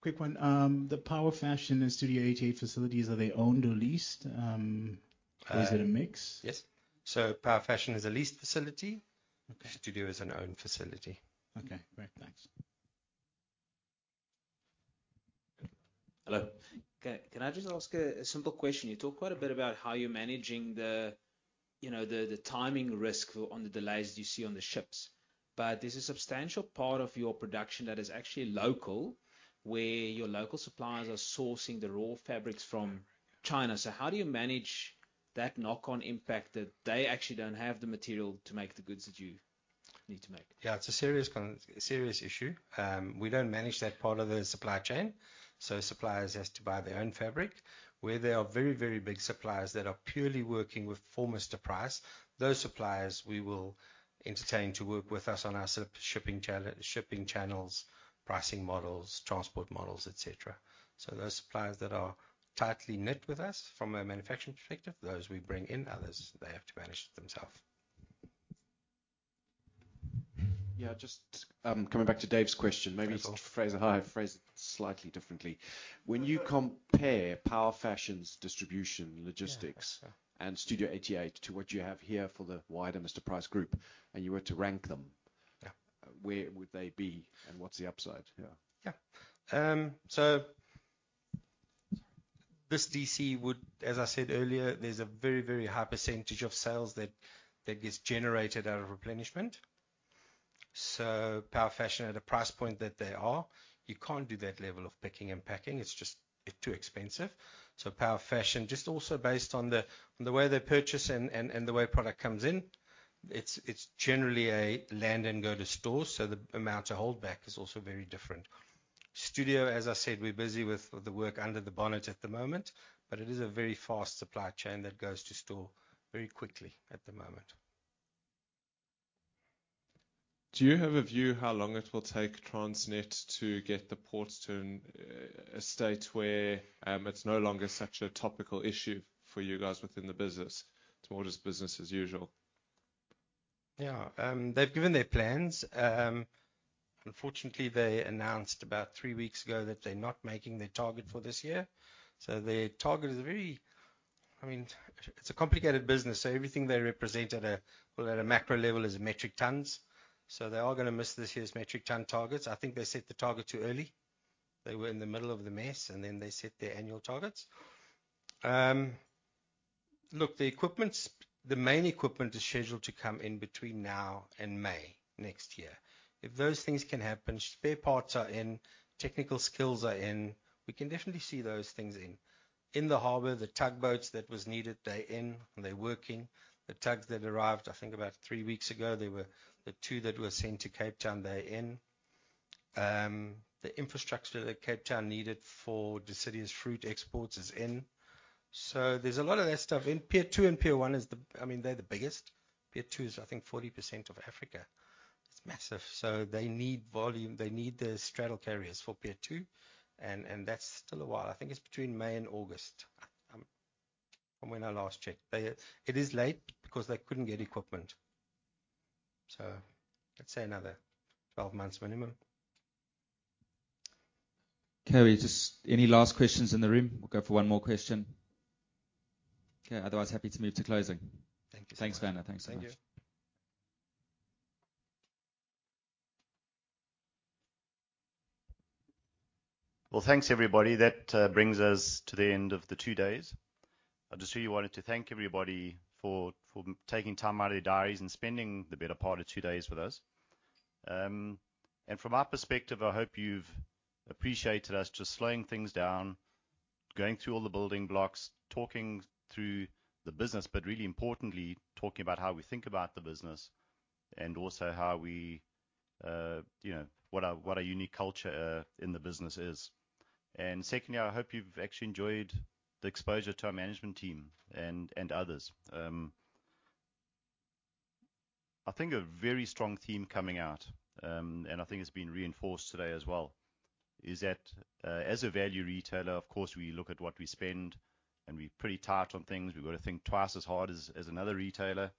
Speaker 12: Quick one. The Power Fashion and Studio 88 facilities, are they owned or leased? Is it a mix?
Speaker 2: Yes, so Power Fashion is a leased facility.
Speaker 4: Okay.
Speaker 2: Studio is an owned facility.
Speaker 12: Okay, great. Thanks.
Speaker 13: Hello. Can I just ask a simple question? You talked quite a bit about how you're managing the, you know, the timing risk on the delays you see on the ships, but there's a substantial part of your production that is actually local, where your local suppliers are sourcing the raw fabrics from China. So how do you manage that knock-on impact that they actually don't have the material to make the goods that you need to make?
Speaker 2: Yeah, it's a serious issue. We don't manage that part of the supply chain, so suppliers has to buy their own fabric. Where they are very, very big suppliers that are purely working with former Mr Price, those suppliers we will entertain to work with us on our shipping channels, pricing models, transport models, et cetera. So those suppliers that are tightly knit with us from a manufacturing perspective, those we bring in, others, they have to manage it themselves.
Speaker 14: Yeah, just, coming back to Dave's question.
Speaker 2: Yeah, sure.
Speaker 14: Maybe phrase it... I phrase it slightly differently. When you compare Power Fashion's distribution, logistics-
Speaker 2: Yeah.
Speaker 14: -and Studio 88 to what you have here for the wider Mr Price Group, and you were to rank them-
Speaker 2: Yeah.
Speaker 14: Where would they be, and what's the upside? Yeah.
Speaker 2: Yeah. So this DC would. As I said earlier, there's a very high percentage of sales that gets generated out of replenishment. So Power Fashion, at a price point that they are, you can't do that level of picking and packing. It's just too expensive. So Power Fashion, just also based on the way they purchase and the way product comes in, it's generally a land and go to store, so the amount of holdback is also very different. Studio, as I said, we're busy with the work under the bonnet at the moment, but it is a very fast supply chain that goes to store very quickly at the moment.
Speaker 14: Do you have a view how long it will take Transnet to get the ports to a state where it's no longer such a topical issue for you guys within the business, to more just business as usual?
Speaker 2: Yeah. They've given their plans. Unfortunately, they announced about three weeks ago that they're not making their target for this year. So their target is very... I mean, it's a complicated business, so everything they represent at a, well, at a macro level is metric tons. So they are gonna miss this year's metric ton targets. I think they set the target too early. They were in the middle of the mess, and then they set their annual targets. Look, the equipment, the main equipment is scheduled to come in between now and May next year. If those things can happen, spare parts are in, technical skills are in, we can definitely see those things in. In the harbor, the tugboats that was needed, they're in, and they're working. The tugs that arrived, I think, about three weeks ago, they were the two that were sent to Cape Town, they're in. The infrastructure that Cape Town needed for the city's fruit exports is in. So there's a lot of that stuff in. Pier Two and Pier One is the—I mean, they're the biggest. Pier Two is, I think, 40% of Africa. It's massive. So they need volume. They need the straddle carriers for Pier Two, and that's still a while. I think it's between May and August, from when I last checked. It is late because they couldn't get equipment. So let's say another 12 months minimum.
Speaker 4: Okay, just any last questions in the room? We'll go for one more question. Okay, otherwise, happy to move to closing.
Speaker 2: Thank you.
Speaker 1: Thanks, Warriner. Thanks very much.
Speaker 2: Thank you.
Speaker 1: Thanks, everybody. That brings us to the end of the two days. I just really wanted to thank everybody for taking time out of their diaries and spending the better part of two days with us. From our perspective, I hope you've appreciated us just slowing things down, going through all the building blocks, talking through the business, but really importantly, talking about how we think about the business and also how we, you know, what our unique culture in the business is. Secondly, I hope you've actually enjoyed the exposure to our management team and others. I think a very strong theme coming out, and I think it's been reinforced today as well, is that, as a value retailer, of course, we look at what we spend, and we're pretty tight on things. We've got to think twice as hard as another retailer.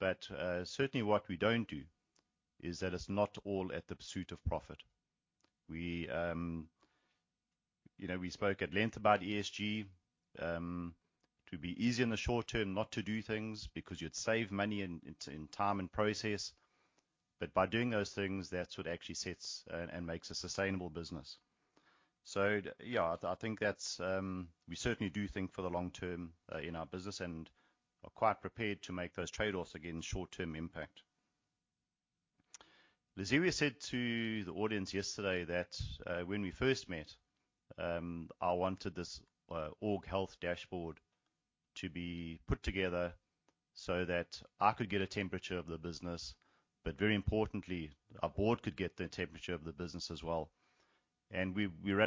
Speaker 1: But certainly what we don't do is that it's not all at the pursuit of profit. You know, we spoke at length about ESG. It would be easy in the short term not to do things, because you'd save money in time and process, but by doing those things, that's what actually sets and makes a sustainable business. So yeah, I think that's it. We certainly do think for the long term in our business, and are quite prepared to make those trade-offs against short-term impact. Lazarus said to the audience yesterday that when we first met, I wanted this org health dashboard to be put together so that I could get a temperature of the business, but very importantly, our board could get the temperature of the business as well. We're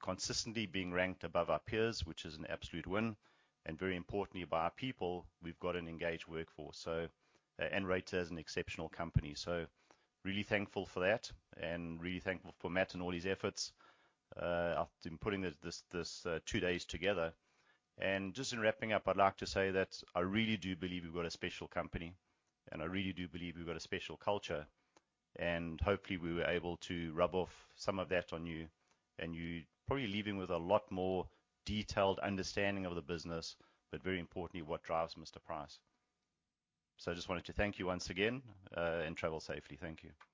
Speaker 1: consistently being ranked above our peers, which is an absolute win, and very importantly, by our people, we've got an engaged workforce, so and rated as an exceptional company. Really thankful for that and really thankful for Matt and all his efforts after putting this two days together. Just in wrapping up, I'd like to say that I really do believe we've got a special company, and I really do believe we've got a special culture, and hopefully, we were able to rub off some of that on you, and you're probably leaving with a lot more detailed understanding of the business, but very importantly, what drives Mr Price. So I just wanted to thank you once again, and travel safely. Thank you.